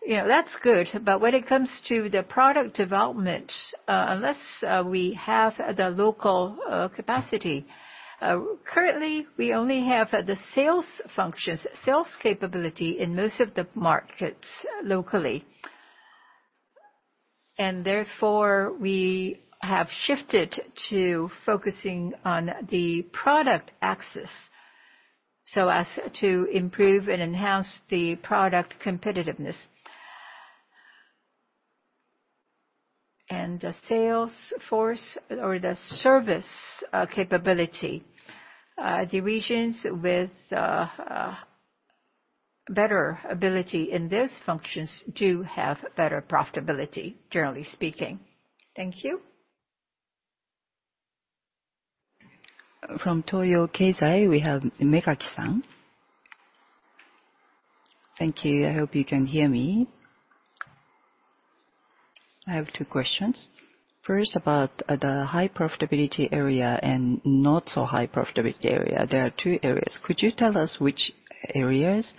[SPEAKER 2] that's good. When it comes to the product development, unless we have the local capacity, currently, we only have the sales functions, sales capability in most of the markets locally. Therefore, we have shifted to focusing on the product axis, so as to improve and enhance the product competitiveness. The sales force or the service capability, the regions with better ability in those functions do have better profitability, generally speaking. Thank you. From Toyo Keizai, we have Megaki-san. Thank you. I hope you can hear me. I have two questions. First, about the high profitability area and not so high profitability area. There are two areas. Could you tell us which areas?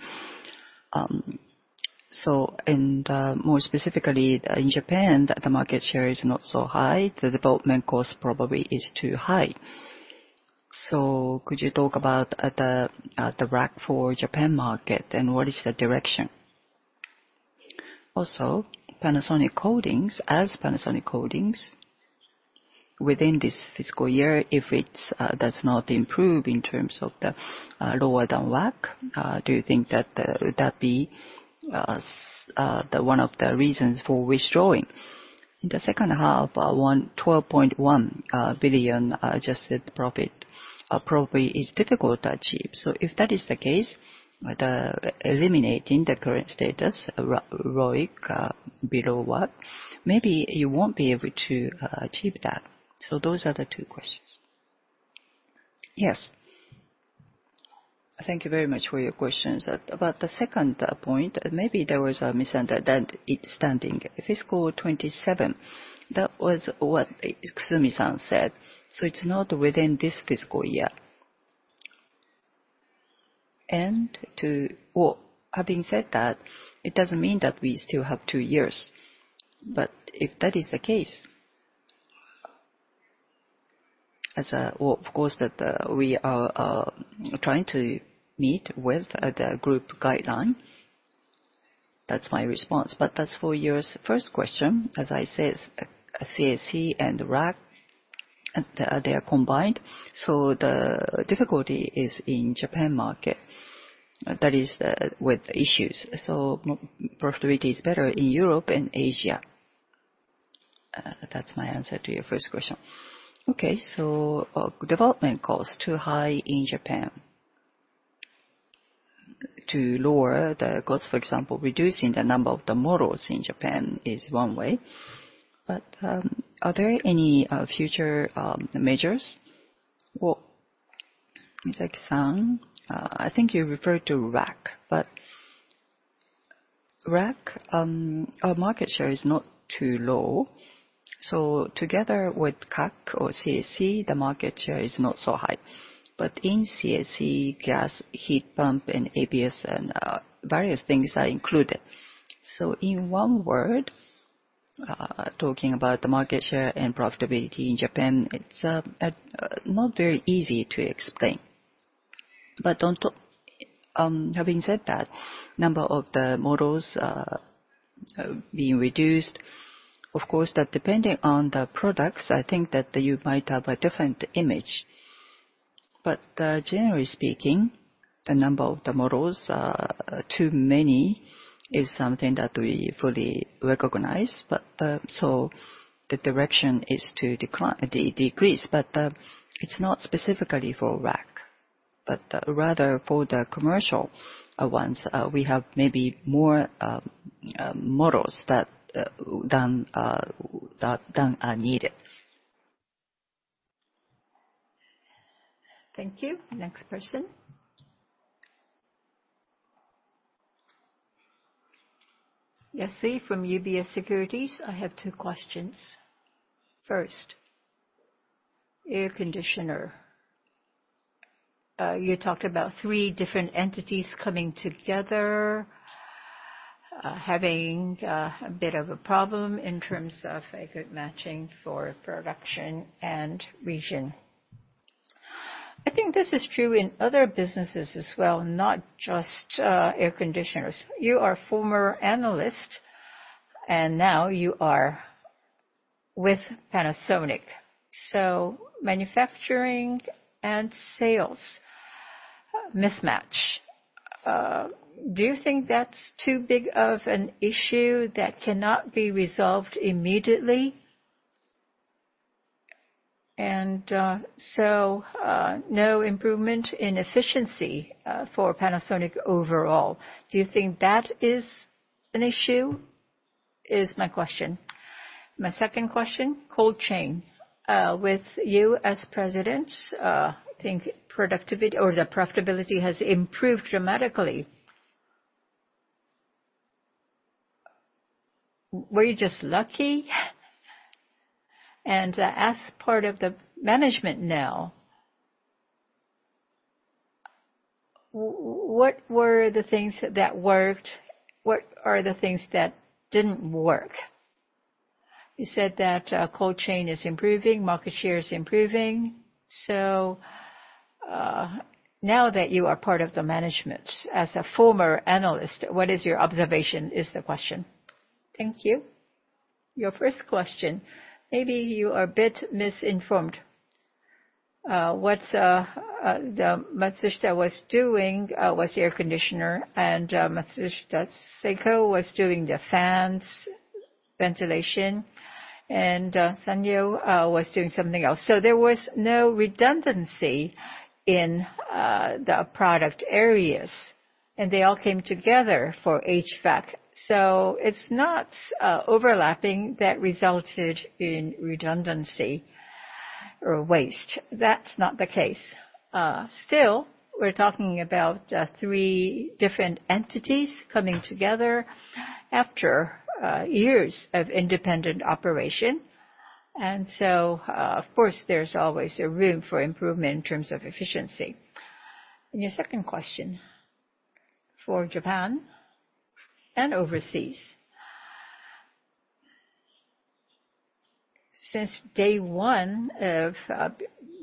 [SPEAKER 2] More specifically, in Japan, the market share is not so high. The development cost probably is too high. Could you talk about the RAC for Japan market and what is the direction? Also, Panasonic Coatings, as Panasonic Coatings, within this fiscal year, if it does not improve in terms of the lower than WACC, do you think that that'd be one of the reasons for withdrawing? In the second half, 12.1 billion adjusted profit probably is difficult to achieve. If that is the case, eliminating the current status, ROIC, below what, maybe you won't be able to achieve that. Those are the two questions. Yes. Thank you very much for your questions. About the second point, maybe there was a misunderstanding. Fiscal 2027, that was what Kusumi-san said. It is not within this fiscal year. Having said that, it does not mean that we still have two years. If that is the case, of course, we are trying to meet with the group guideline. That is my response. That is for your first question. As I said, CAC and RAC, they are combined. The difficulty is in Japan market. That is with issues. Profitability is better in Europe and Asia. That's my answer to your first question. Development cost too high in Japan. To lower the cost, for example, reducing the number of the models in Japan is one way. Are there any future measures? Mizaki-san, I think you referred to RAC, but RAC, our market share is not too low. Together with CAC, the market share is not so high. In CAC, gas, heat pump, and ABS, and various things are included. In one word, talking about the market share and profitability in Japan, it's not very easy to explain. Having said that, number of the models being reduced, of course, that depending on the products, I think that you might have a different image. Generally speaking, the number of the models, too many, is something that we fully recognize. The direction is to decrease. It is not specifically for RAC, but rather for the commercial ones. We have maybe more models than are needed. Thank you. Next person.
[SPEAKER 5] Yasui from UBS Securities. I have two questions. First. Air conditioner. You talked about three different entities coming together, having a bit of a problem in terms of a good matching for production and region. I think this is true in other businesses as well, not just air conditioners. You are a former analyst, and now you are with Panasonic. Manufacturing and sales mismatch. Do you think that's too big of an issue that cannot be resolved immediately? No improvement in efficiency for Panasonic overall. Do you think that is an issue? Is my question. My second question, cold chain. With you as President, I think productivity or the profitability has improved dramatically. Were you just lucky? As part of the management now, what were the things that worked? What are the things that didn't work? You said that cold chain is improving, market share is improving. Now that you are part of the management, as a former analyst, what is your observation is the question.
[SPEAKER 2] Thank you. Your first question, maybe you are a bit misinformed. What Matsushita was doing was air conditioner, and Matsushita Seiko was doing the fans, ventilation, and Sanyo was doing something else. There was no redundancy in the product areas, and they all came together for HVAC. It is not overlapping that resulted in redundancy or waste. That is not the case. Still, we are talking about three different entities coming together after years of independent operation. Of course, there is always room for improvement in terms of efficiency. Your second question for Japan and overseas. Since day one of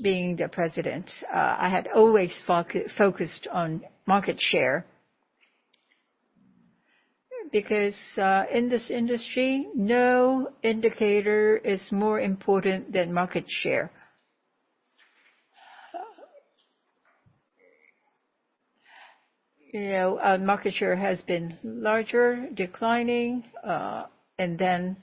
[SPEAKER 2] being the President, I had always focused on market share because in this industry, no indicator is more important than market share. Market share has been larger, declining, and then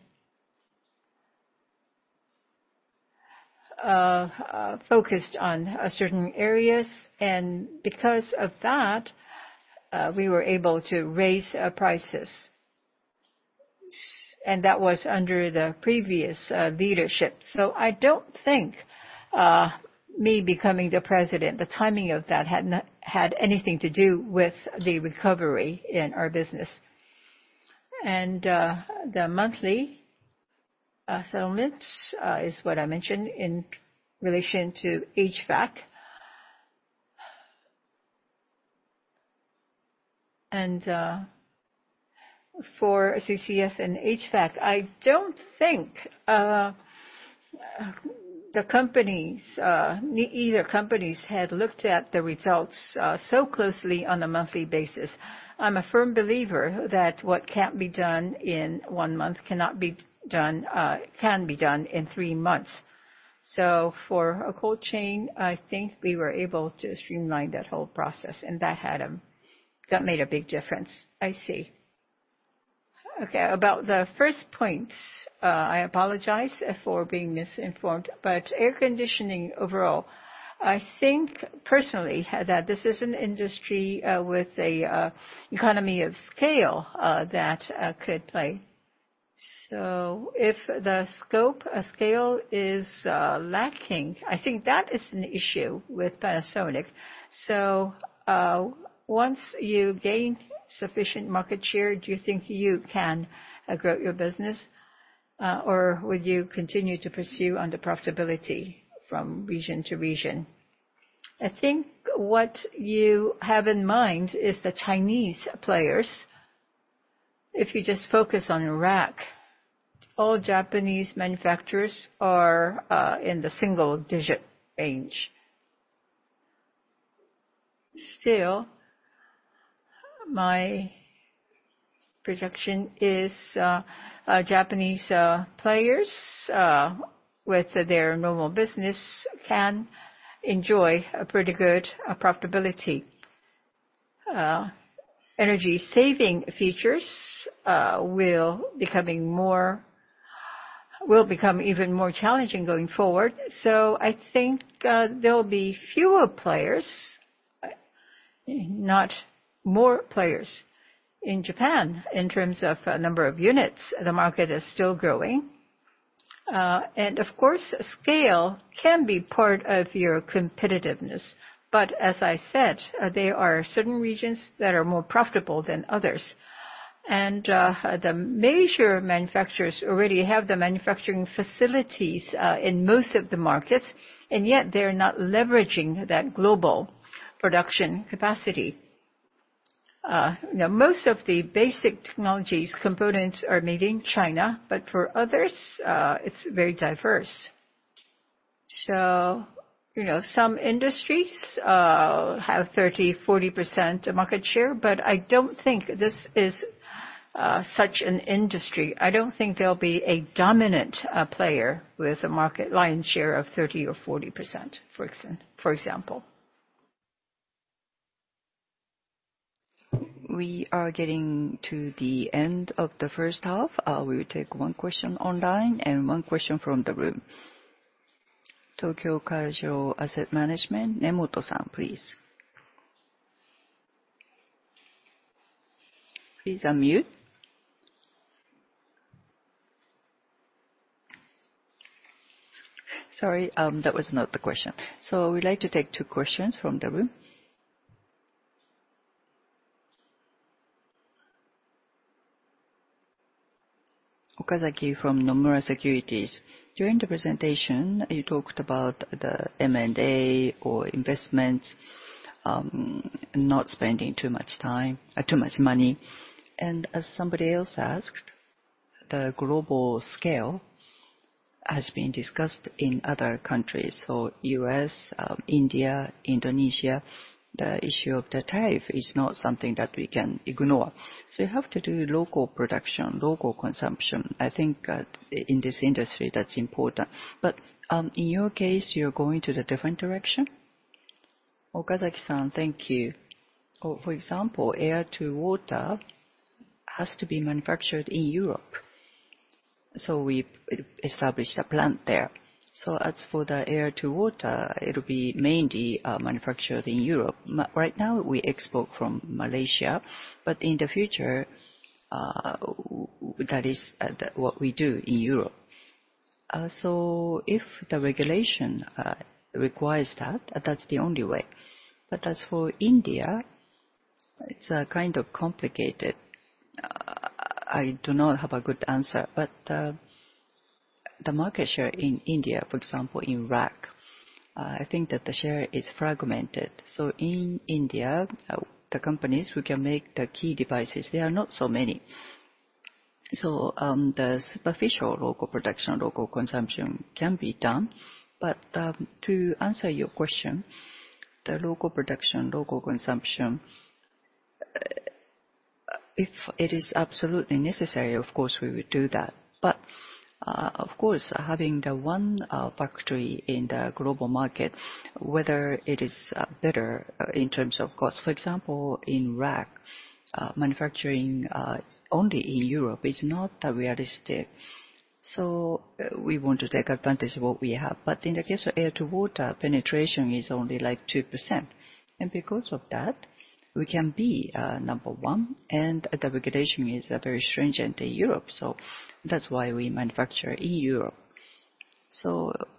[SPEAKER 2] focused on certain areas. Because of that, we were able to raise prices. That was under the previous leadership. I do not think me becoming the President, the timing of that had anything to do with the recovery in our business. The monthly settlement is what I mentioned in relation to HVAC. For CCS and HVAC, I do not think the companies, either company, had looked at the results so closely on a monthly basis. I am a firm believer that what cannot be done in one month can be done in three months. For cold chain, I think we were able to streamline that whole process, and that made a big difference.
[SPEAKER 5] I see. Okay. About the first points, I apologize for being misinformed, but air conditioning overall, I think personally that this is an industry with an economy of scale that could play. If the scope of scale is lacking, I think that is an issue with Panasonic. Once you gain sufficient market share, do you think you can grow your business, or would you continue to pursue under profitability from region to region?
[SPEAKER 2] I think what you have in mind is the Chinese players. If you just focus on RAC, all Japanese manufacturers are in the single-digit range. Still, my projection is Japanese players with their normal business can enjoy pretty good profitability. Energy-saving features will become even more challenging going forward. I think there will be fewer players, not more players in Japan in terms of number of units. The market is still growing. Of course, scale can be part of your competitiveness. As I said, there are certain regions that are more profitable than others. The major manufacturers already have the manufacturing facilities in most of the markets, and yet they're not leveraging that global production capacity. Most of the basic technologies components are made in China, but for others, it's very diverse. Some industries have 30%-40% market share, but I don't think this is such an industry. I don't think there'll be a dominant player with a market lion's share of 30%-40%, for example. We are getting to the end of the first half. We will take one question online and one question from the room. Tokyo Kaijo Asset Management, Nemoto-san, please. Please unmute. Sorry, that was not the question. We would like to take two questions from the room.
[SPEAKER 6] Okazaki from Nomura Securities. During the presentation, you talked about the M&A or investments, not spending too much money. As somebody else asked, the global scale has been discussed in other countries, so U.S., India, Indonesia. The issue of the tariff is not something that we can ignore. You have to do local production, local consumption. I think in this industry, that's important. In your case, you're going to the different direction?
[SPEAKER 2] Okazaki-san, thank you. For example, air-to-water has to be manufactured in Europe. We established a plant there. As for the air-to-water, it'll be mainly manufactured in Europe. Right now, we export from Malaysia, but in the future, that is what we do in Europe. If the regulation requires that, that's the only way. As for India, it's kind of complicated. I do not have a good answer. The market share in India, for example, in RAC, I think that the share is fragmented. In India, the companies who can make the key devices, there are not so many. The superficial local production, local consumption can be done. To answer your question, the local production, local consumption, if it is absolutely necessary, of course, we would do that. Of course, having the one factory in the global market, whether it is better in terms of cost, for example, in RAC, manufacturing only in Europe is not realistic. We want to take advantage of what we have. In the case of air to water, penetration is only like 2%. Because of that, we can be number one, and the regulation is very stringent in Europe. That is why we manufacture in Europe.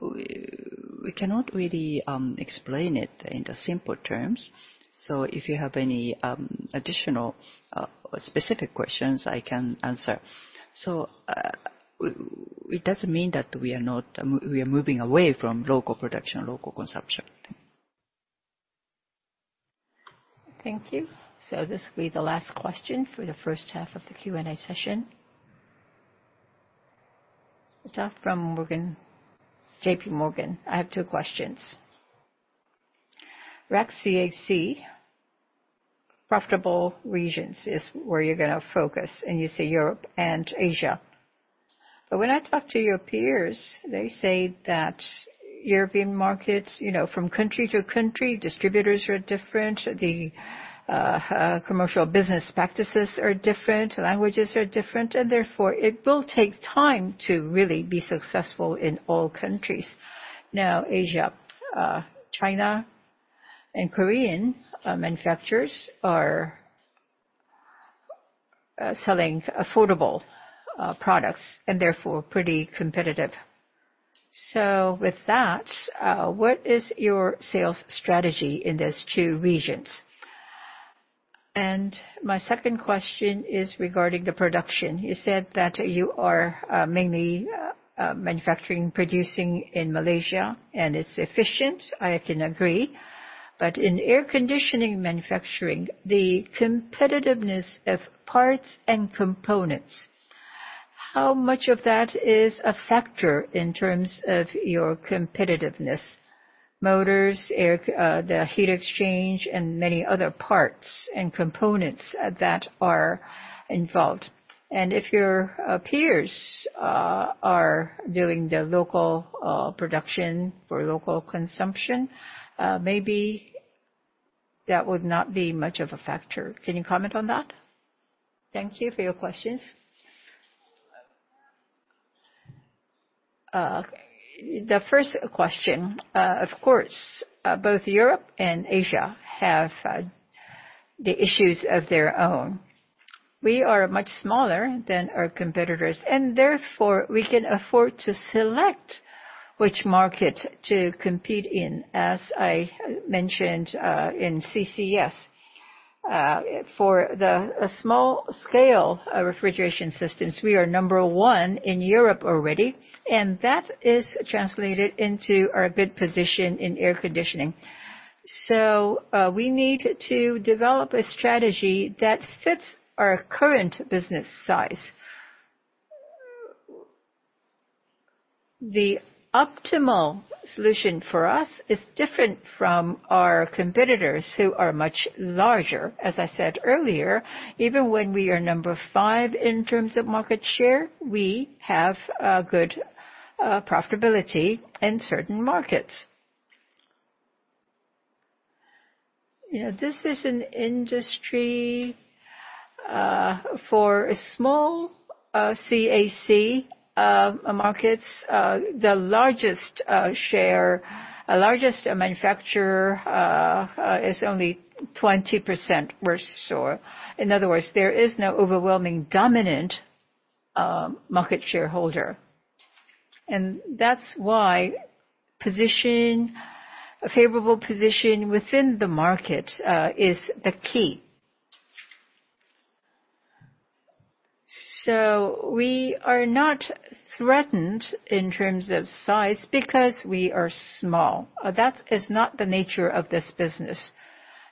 [SPEAKER 2] We cannot really explain it in simple terms. If you have any additional specific questions, I can answer. It does not mean that we are moving away from local production, local consumption. Thank you. This will be the last question for the first half of the Q&A session. JP Morgan, I have two questions. RAC, CAC, profitable regions is where you are going to focus, and you say Europe and Asia. When I talk to your peers, they say that European markets, from country to country, distributors are different, the commercial business practices are different, languages are different, and therefore, it will take time to really be successful in all countries. Now, Asia, China and Korean manufacturers are selling affordable products and therefore pretty competitive. With that, what is your sales strategy in these two regions? My second question is regarding the production. You said that you are mainly manufacturing, producing in Malaysia, and it's efficient. I can agree. In air conditioning manufacturing, the competitiveness of parts and components, how much of that is a factor in terms of your competitiveness? Motors, the heat exchange, and many other parts and components that are involved. If your peers are doing the local production for local consumption, maybe that would not be much of a factor. Can you comment on that? Thank you for your questions. The first question, of course, both Europe and Asia have the issues of their own. We are much smaller than our competitors, and therefore, we can afford to select which market to compete in, as I mentioned in CCS. For the small-scale refrigeration systems, we are number one in Europe already, and that is translated into our good position in air conditioning. We need to develop a strategy that fits our current business size. The optimal solution for us is different from our competitors who are much larger. As I said earlier, even when we are number five in terms of market share, we have good profitability in certain markets. This is an industry for small CAC markets. The largest share, largest manufacturer is only 20% or so. In other words, there is no overwhelming dominant market shareholder. That is why a favorable position within the market is the key. We are not threatened in terms of size because we are small. That is not the nature of this business.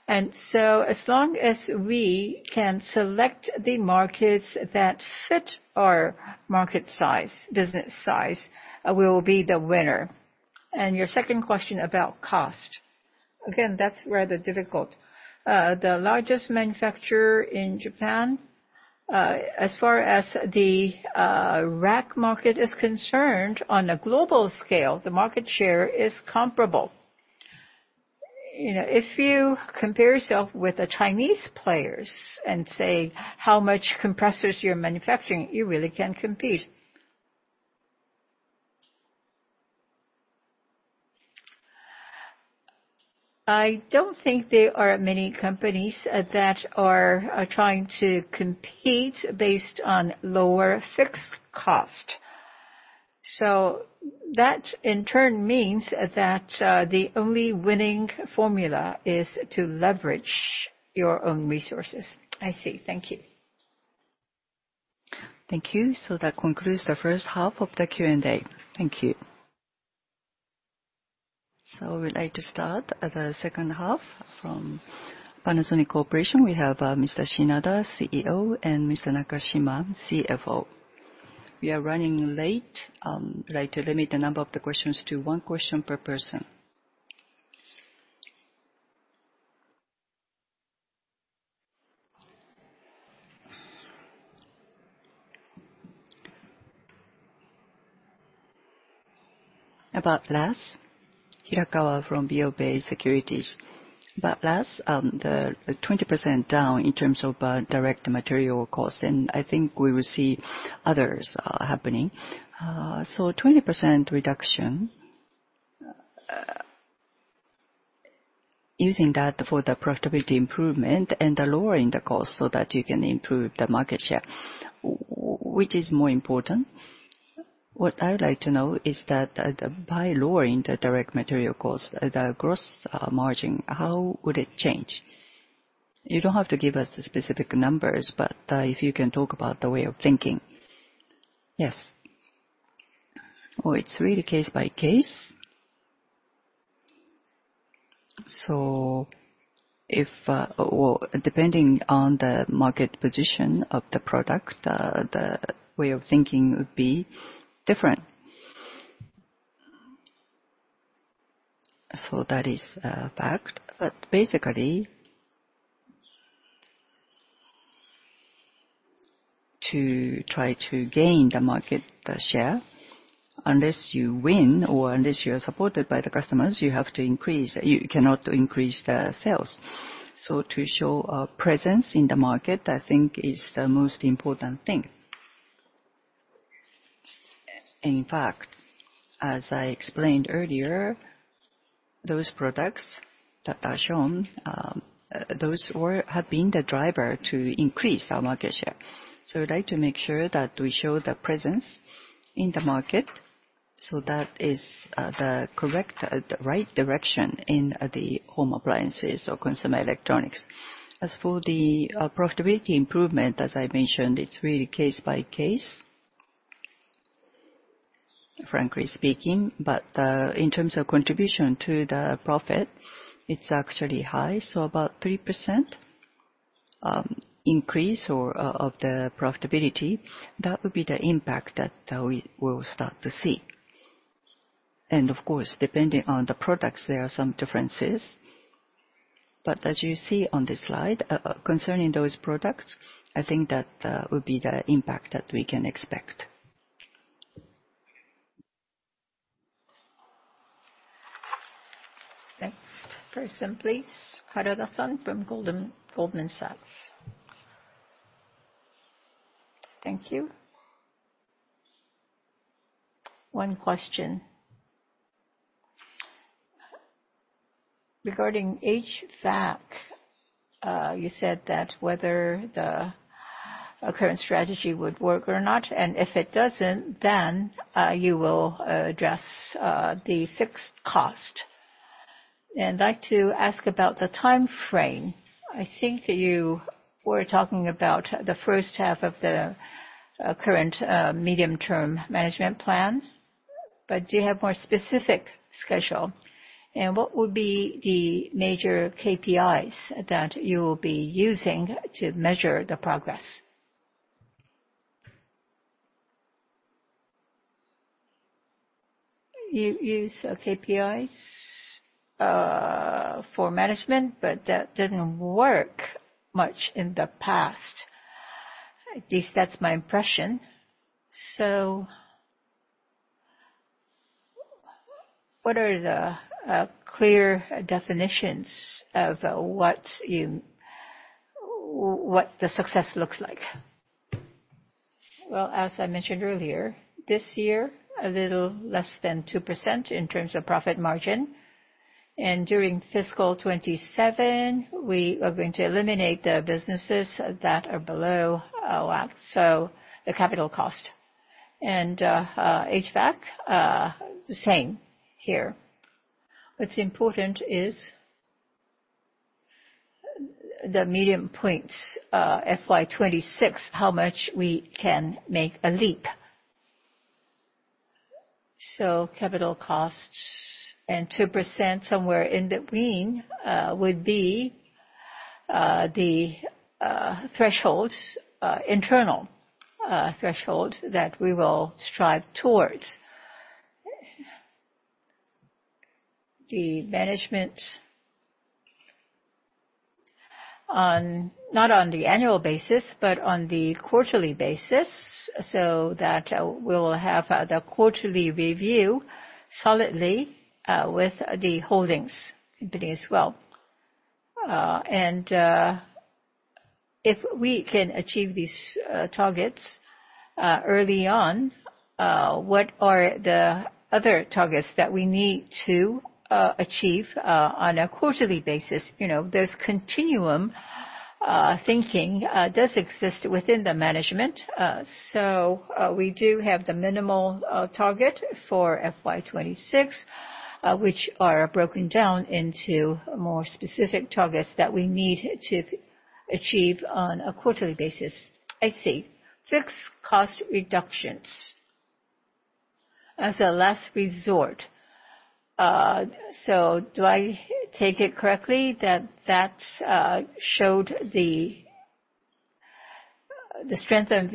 [SPEAKER 2] As long as we can select the markets that fit our market size, business size, we will be the winner. Your second question about cost, again, that is rather difficult. The largest manufacturer in Japan, as far as the RAC market is concerned, on a global scale, the market share is comparable. If you compare yourself with the Chinese players and say how many compressors you are manufacturing, you really cannot compete. I do not think there are many companies that are trying to compete based on lower fixed cost. That, in turn, means that the only winning formula is to leverage your own resources. I see. Thank you. Thank you. That concludes the first half of the Q&A. Thank you. We'd like to start the second half from Panasonic Corporation. We have Mr. Shinada, CEO, and Mr. Nakashima, CFO. We are running late. I'd like to limit the number of questions to one question per person.
[SPEAKER 4] About last, Hirakawa from BofA Securities. About last, the 20% down in terms of direct material cost. I think we will see others happening. So 20% reduction using that for the profitability improvement and lowering the cost so that you can improve the market share, which is more important. What I would like to know is that by lowering the direct material cost, the gross margin, how would it change? You don't have to give us specific numbers, but if you can talk about the way of thinking.
[SPEAKER 1] Yes. Or it's really case by case. Depending on the market position of the product, the way of thinking would be different. That is a fact. Basically, to try to gain the market share, unless you win or unless you are supported by the customers, you have to increase. You cannot increase the sales. To show a presence in the market, I think, is the most important thing. In fact, as I explained earlier, those products that are shown, those have been the driver to increase our market share. We would like to make sure that we show the presence in the market, so that is the correct, the right direction in the home appliances or consumer electronics. As for the profitability improvement, as I mentioned, it is really case by case, frankly speaking. In terms of contribution to the profit, it is actually high. About a 3% increase of the profitability, that would be the impact that we will start to see. Of course, depending on the products, there are some differences. As you see on this slide, concerning those products, I think that would be the impact that we can expect. Next, first and please, Harada-san from Goldman Sachs.
[SPEAKER 7] Thank you. One question. Regarding HVAC, you said that whether the current strategy would work or not, and if it doesn't, then you will address the fixed cost. I'd like to ask about the time frame. I think you were talking about the first half of the current medium-term management plan, but do you have a more specific schedule? What would be the major KPIs that you will be using to measure the progress? You use KPIs for management, but that didn't work much in the past. At least that's my impression. What are the clear definitions of what the success looks like?
[SPEAKER 1] As I mentioned earlier, this year, a little less than 2% in terms of profit margin. During fiscal 2027, we are going to eliminate the businesses that are below our capital cost. HVAC, the same here. What's important is the median points, FY 2026, how much we can make a leap. Capital costs and 2% somewhere in between would be the threshold, internal threshold that we will strive towards. The management, not on the annual basis, but on the quarterly basis, so that we will have the quarterly review solidly with the holdings as well. If we can achieve these targets early on, what are the other targets that we need to achieve on a quarterly basis? There is continuum thinking that does exist within the management. We do have the minimal target for FY 2026, which are broken down into more specific targets that we need to achieve on a quarterly basis.
[SPEAKER 7] I see. Fixed cost reductions as a last resort. Do I take it correctly that that showed the strength of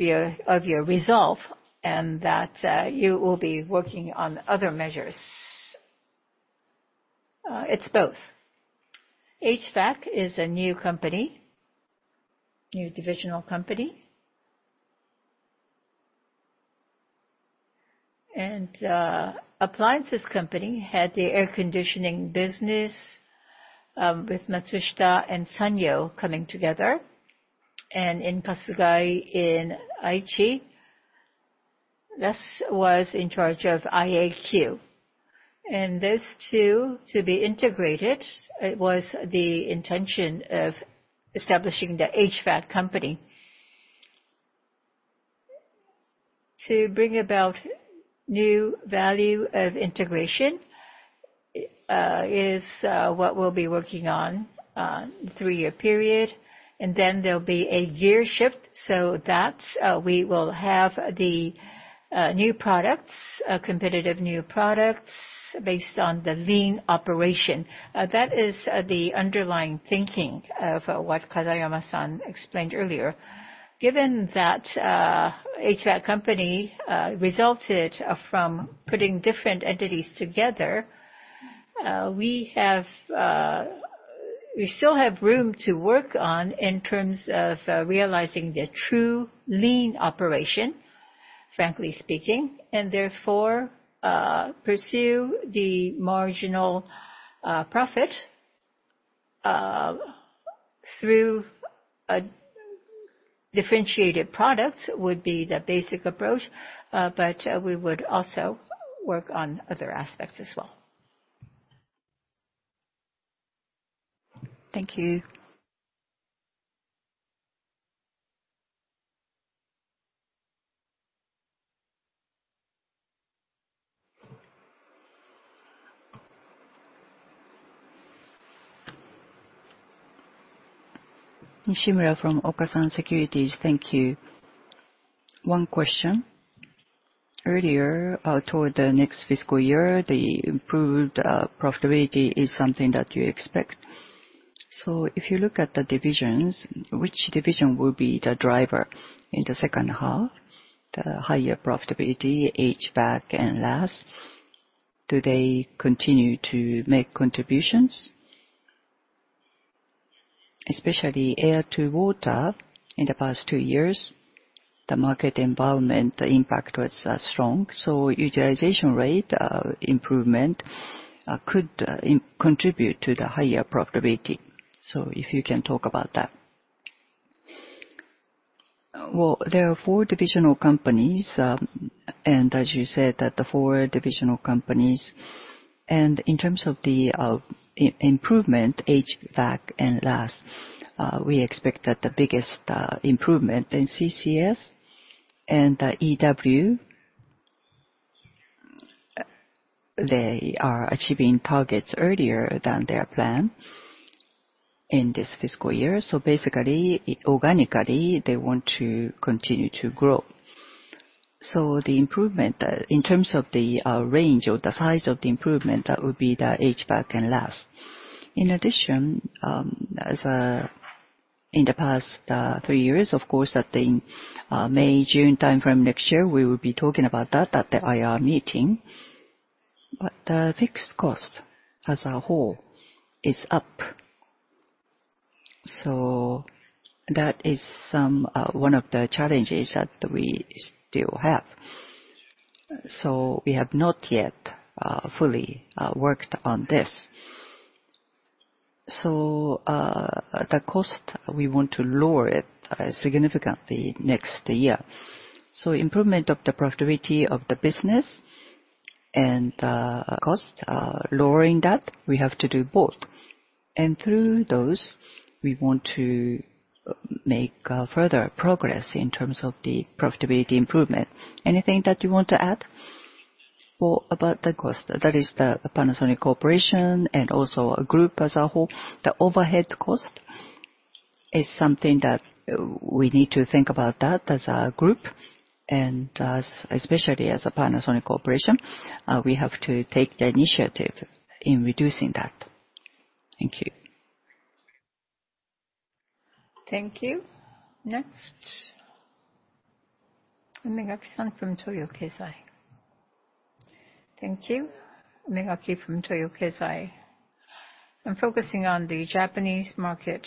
[SPEAKER 7] your resolve and that you will be working on other measures?
[SPEAKER 1] It's both. HVAC is a new company, new divisional company. Appliances Company had the air conditioning business with Matsushita and Sanyo coming together. In Kasugai in Aichi, this was in charge of IAQ. Those two to be integrated, it was the intention of establishing the HVAC company. To bring about new value of integration is what we'll be working on in a three-year period. There will be a gear shift, so that we will have the new products, competitive new products based on the lean operation. That is the underlying thinking of what Katayama-san explained earlier. Given that HVAC company resulted from putting different entities together, we still have room to work on in terms of realizing the true lean operation, frankly speaking, and therefore pursue the marginal profit through differentiated products would be the basic approach, but we would also work on other aspects as well. Thank you. Nishimura from Okasan Securities.
[SPEAKER 8] Thank you. One question. Earlier, toward the next fiscal year, the improved profitability is something that you expect. If you look at the divisions, which division will be the driver in the second half? The higher profitability, HVAC, and last, do they continue to make contributions? Especially air-to-water, in the past two years, the market environment impact was strong. Utilization rate improvement could contribute to the higher profitability. If you can talk about that.
[SPEAKER 1] There are four divisional companies, and as you said, the four divisional companies. In terms of the improvement, HVAC and last, we expect that the biggest improvement in CCS and EW, they are achieving targets earlier than their plan in this fiscal year. Basically, organically, they want to continue to grow. The improvement, in terms of the range or the size of the improvement, that would be the HVAC and last. In addition, in the past three years, of course, that the May, June time frame next year, we will be talking about that at the IR meeting. The fixed cost as a whole is up. That is one of the challenges that we still have. We have not yet fully worked on this. The cost, we want to lower it significantly next year. Improvement of the profitability of the business and cost, lowering that, we have to do both. Through those, we want to make further progress in terms of the profitability improvement. Anything that you want to add? About the cost, that is the Panasonic Corporation and also a group as a whole, the overhead cost is something that we need to think about as a group. Especially as a Panasonic Corporation, we have to take the initiative in reducing that. Thank you. Thank you. Next. Megaki-san from Toyo Keizai. Thank you. Megaki from Toyo Keizai. I'm focusing on the Japanese market.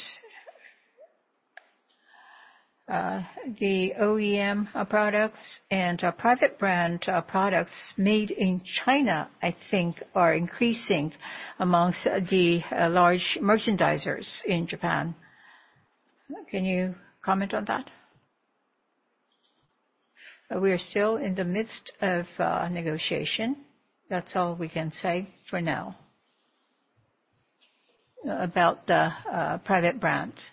[SPEAKER 1] The OEM products and private brand products made in China, I think, are increasing amongst the large merchandisers in Japan. Can you comment on that? We are still in the midst of negotiation. That's all we can say for now about the private brands.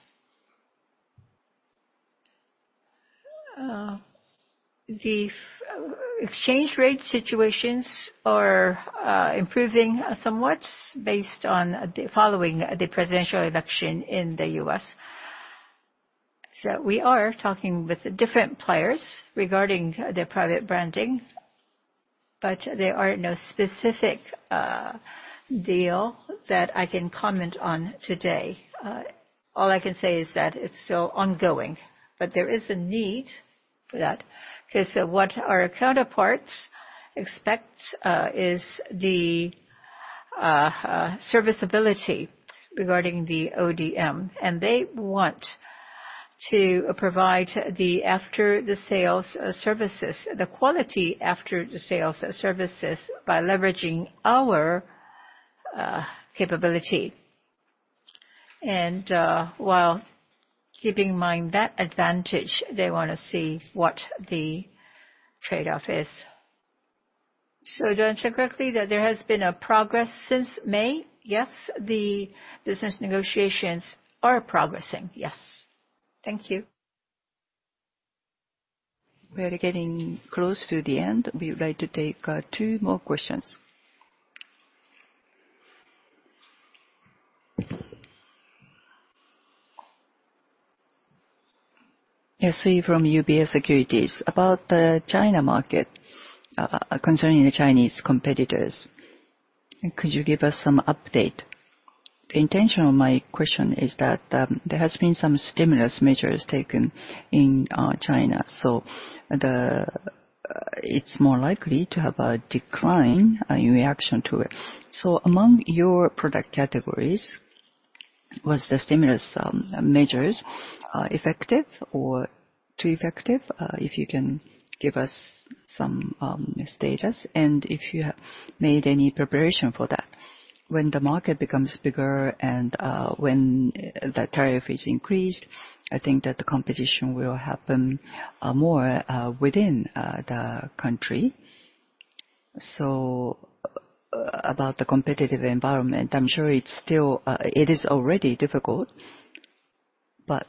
[SPEAKER 1] The exchange rate situations are improving somewhat based on following the presidential election in the U.S. We are talking with different players regarding the private branding, but there are no specific deal that I can comment on today. All I can say is that it's still ongoing, but there is a need for that. What our counterparts expect is the serviceability regarding the ODM, and they want to provide the after-the-sales services, the quality after-the-sales services by leveraging our capability. While keeping in mind that advantage, they want to see what the trade-off is. To answer correctly, there has been a progress since May. Yes, the business negotiations are progressing. Yes. Thank you. We are getting close to the end. We would like to take two more questions. Yasui, from UBS Securities.
[SPEAKER 5] About the China market concerning the Chinese competitors, could you give us some update? The intention of my question is that there has been some stimulus measures taken in China, so it's more likely to have a decline in reaction to it. Among your product categories, was the stimulus measures effective or too effective? If you can give us some status and if you made any preparation for that. When the market becomes bigger and when the tariff is increased, I think that the competition will happen more within the country. About the competitive environment, I'm sure it is already difficult, but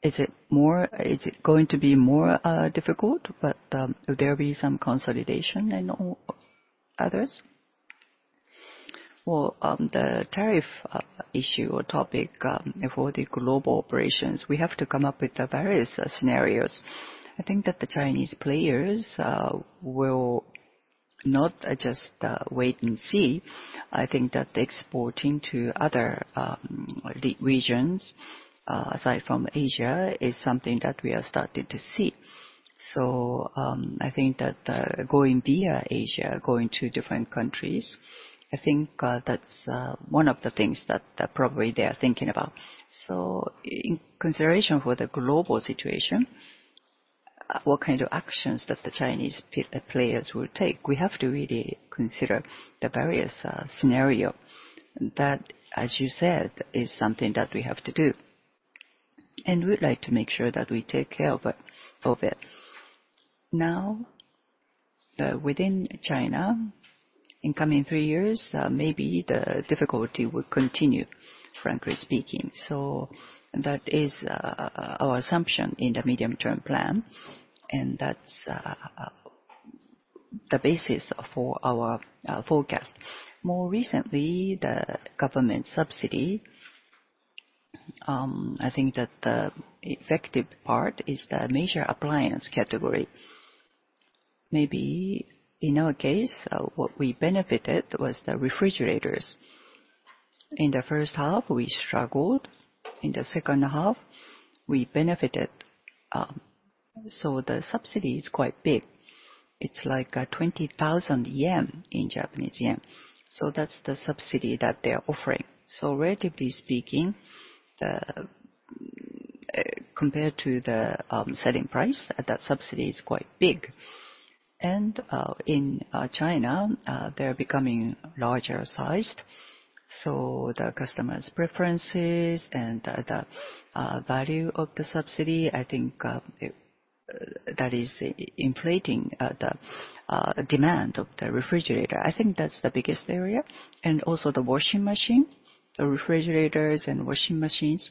[SPEAKER 5] is it going to be more difficult, will there be some consolidation and others?
[SPEAKER 1] The tariff issue or topic for the global operations, we have to come up with various scenarios. I think that the Chinese players will not just wait and see. I think that exporting to other regions, aside from Asia, is something that we are starting to see. I think that going via Asia, going to different countries, I think that's one of the things that probably they are thinking about. In consideration for the global situation, what kind of actions that the Chinese players will take? We have to really consider the various scenarios that, as you said, is something that we have to do. We'd like to make sure that we take care of it. Now, within China, in coming three years, maybe the difficulty will continue, frankly speaking. That is our assumption in the medium-term plan, and that's the basis for our forecast. More recently, the government subsidy, I think that the effective part is the major appliance category. Maybe in our case, what we benefited was the refrigerators. In the first half, we struggled. In the second half, we benefited. The subsidy is quite big. It's like 20,000 yen in Japanese yen. That's the subsidy that they are offering. Relatively speaking, compared to the selling price, that subsidy is quite big. In China, they are becoming larger sized. The customer's preferences and the value of the subsidy, I think that is inflating the demand of the refrigerator. I think that's the biggest area. Also the washing machine, refrigerators, and washing machines.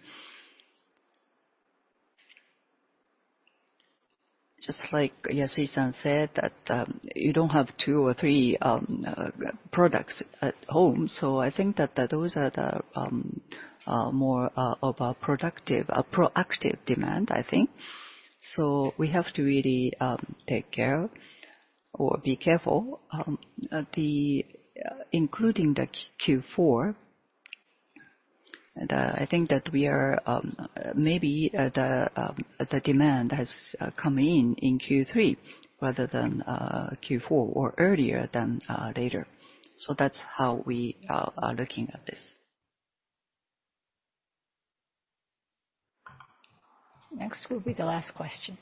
[SPEAKER 1] Just like Yasui-san said, you don't have two or three products at home. I think that those are more of a productive, proactive demand, I think. We have to really take care or be careful, including the Q4. I think that maybe the demand has come in Q3 rather than Q4 or earlier than later. That is how we are looking at this. Next will be the last question.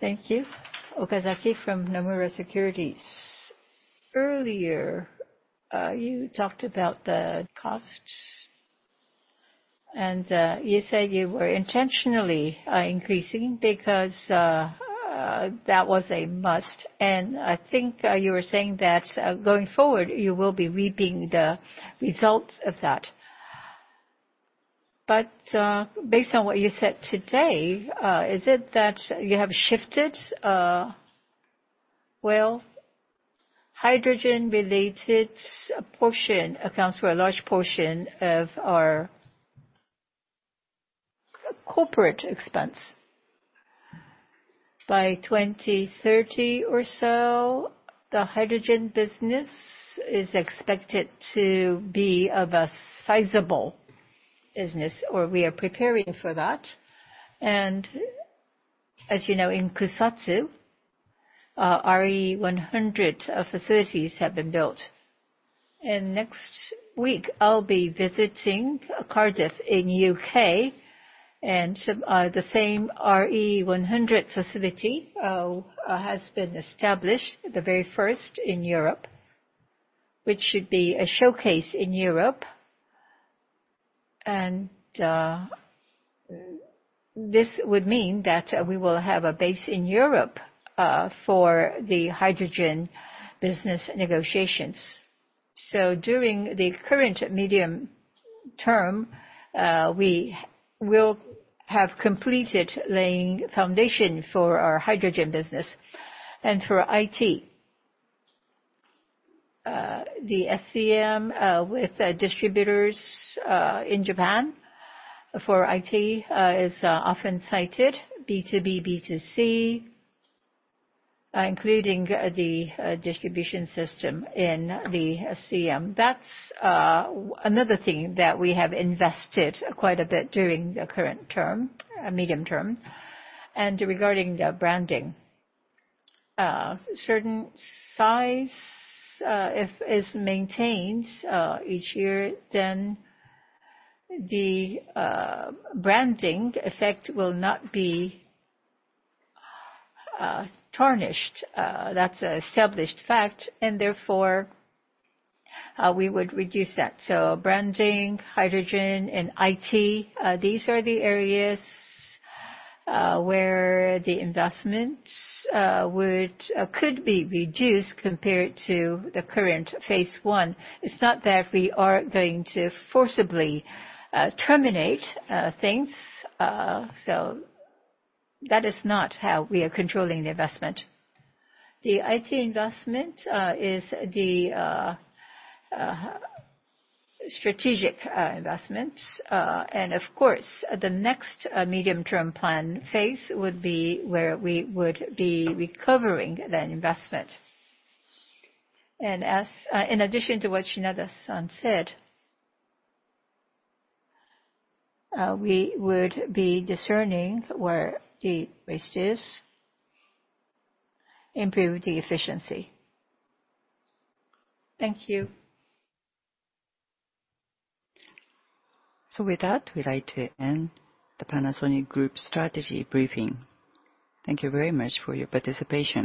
[SPEAKER 6] Thank you. Okazaki from Nomura Securities. Earlier, you talked about the costs. You said you were intentionally increasing because that was a must. I think you were saying that going forward, you will be reaping the results of that. Based on what you said today, is it that you have shifted?
[SPEAKER 1] Hydrogen-related portion accounts for a large portion of our corporate expense. By 2030 or so, the hydrogen business is expected to be a sizable business, or we are preparing for that. As you know, in Kusatsu, RE100 facilities have been built. Next week, I will be visiting Cardiff in the U.K. The same RE100 facility has been established, the very first in Europe, which should be a showcase in Europe. This would mean that we will have a base in Europe for the hydrogen business negotiations. During the current medium term, we will have completed laying foundation for our hydrogen business and for IT. The SCM with distributors in Japan for IT is often cited, B2B, B2C, including the distribution system in the SCM. That is another thing that we have invested quite a bit during the current term, medium term. Regarding the branding, certain size, if it is maintained each year, then the branding effect will not be tarnished. That is an established fact, and therefore, we would reduce that. Branding, hydrogen, and IT, these are the areas where the investments could be reduced compared to the current phase one. It is not that we are going to forcibly terminate things. That is not how we are controlling the investment. The IT investment is the strategic investment. Of course, the next medium-term plan phase would be where we would be recovering that investment.
[SPEAKER 2] In addition to what Shinada-san said, we would be discerning where the waste is, improve the efficiency. Thank you.
[SPEAKER 1] With that, we'd like to end the Panasonic Group strategy briefing. Thank you very much for your participation.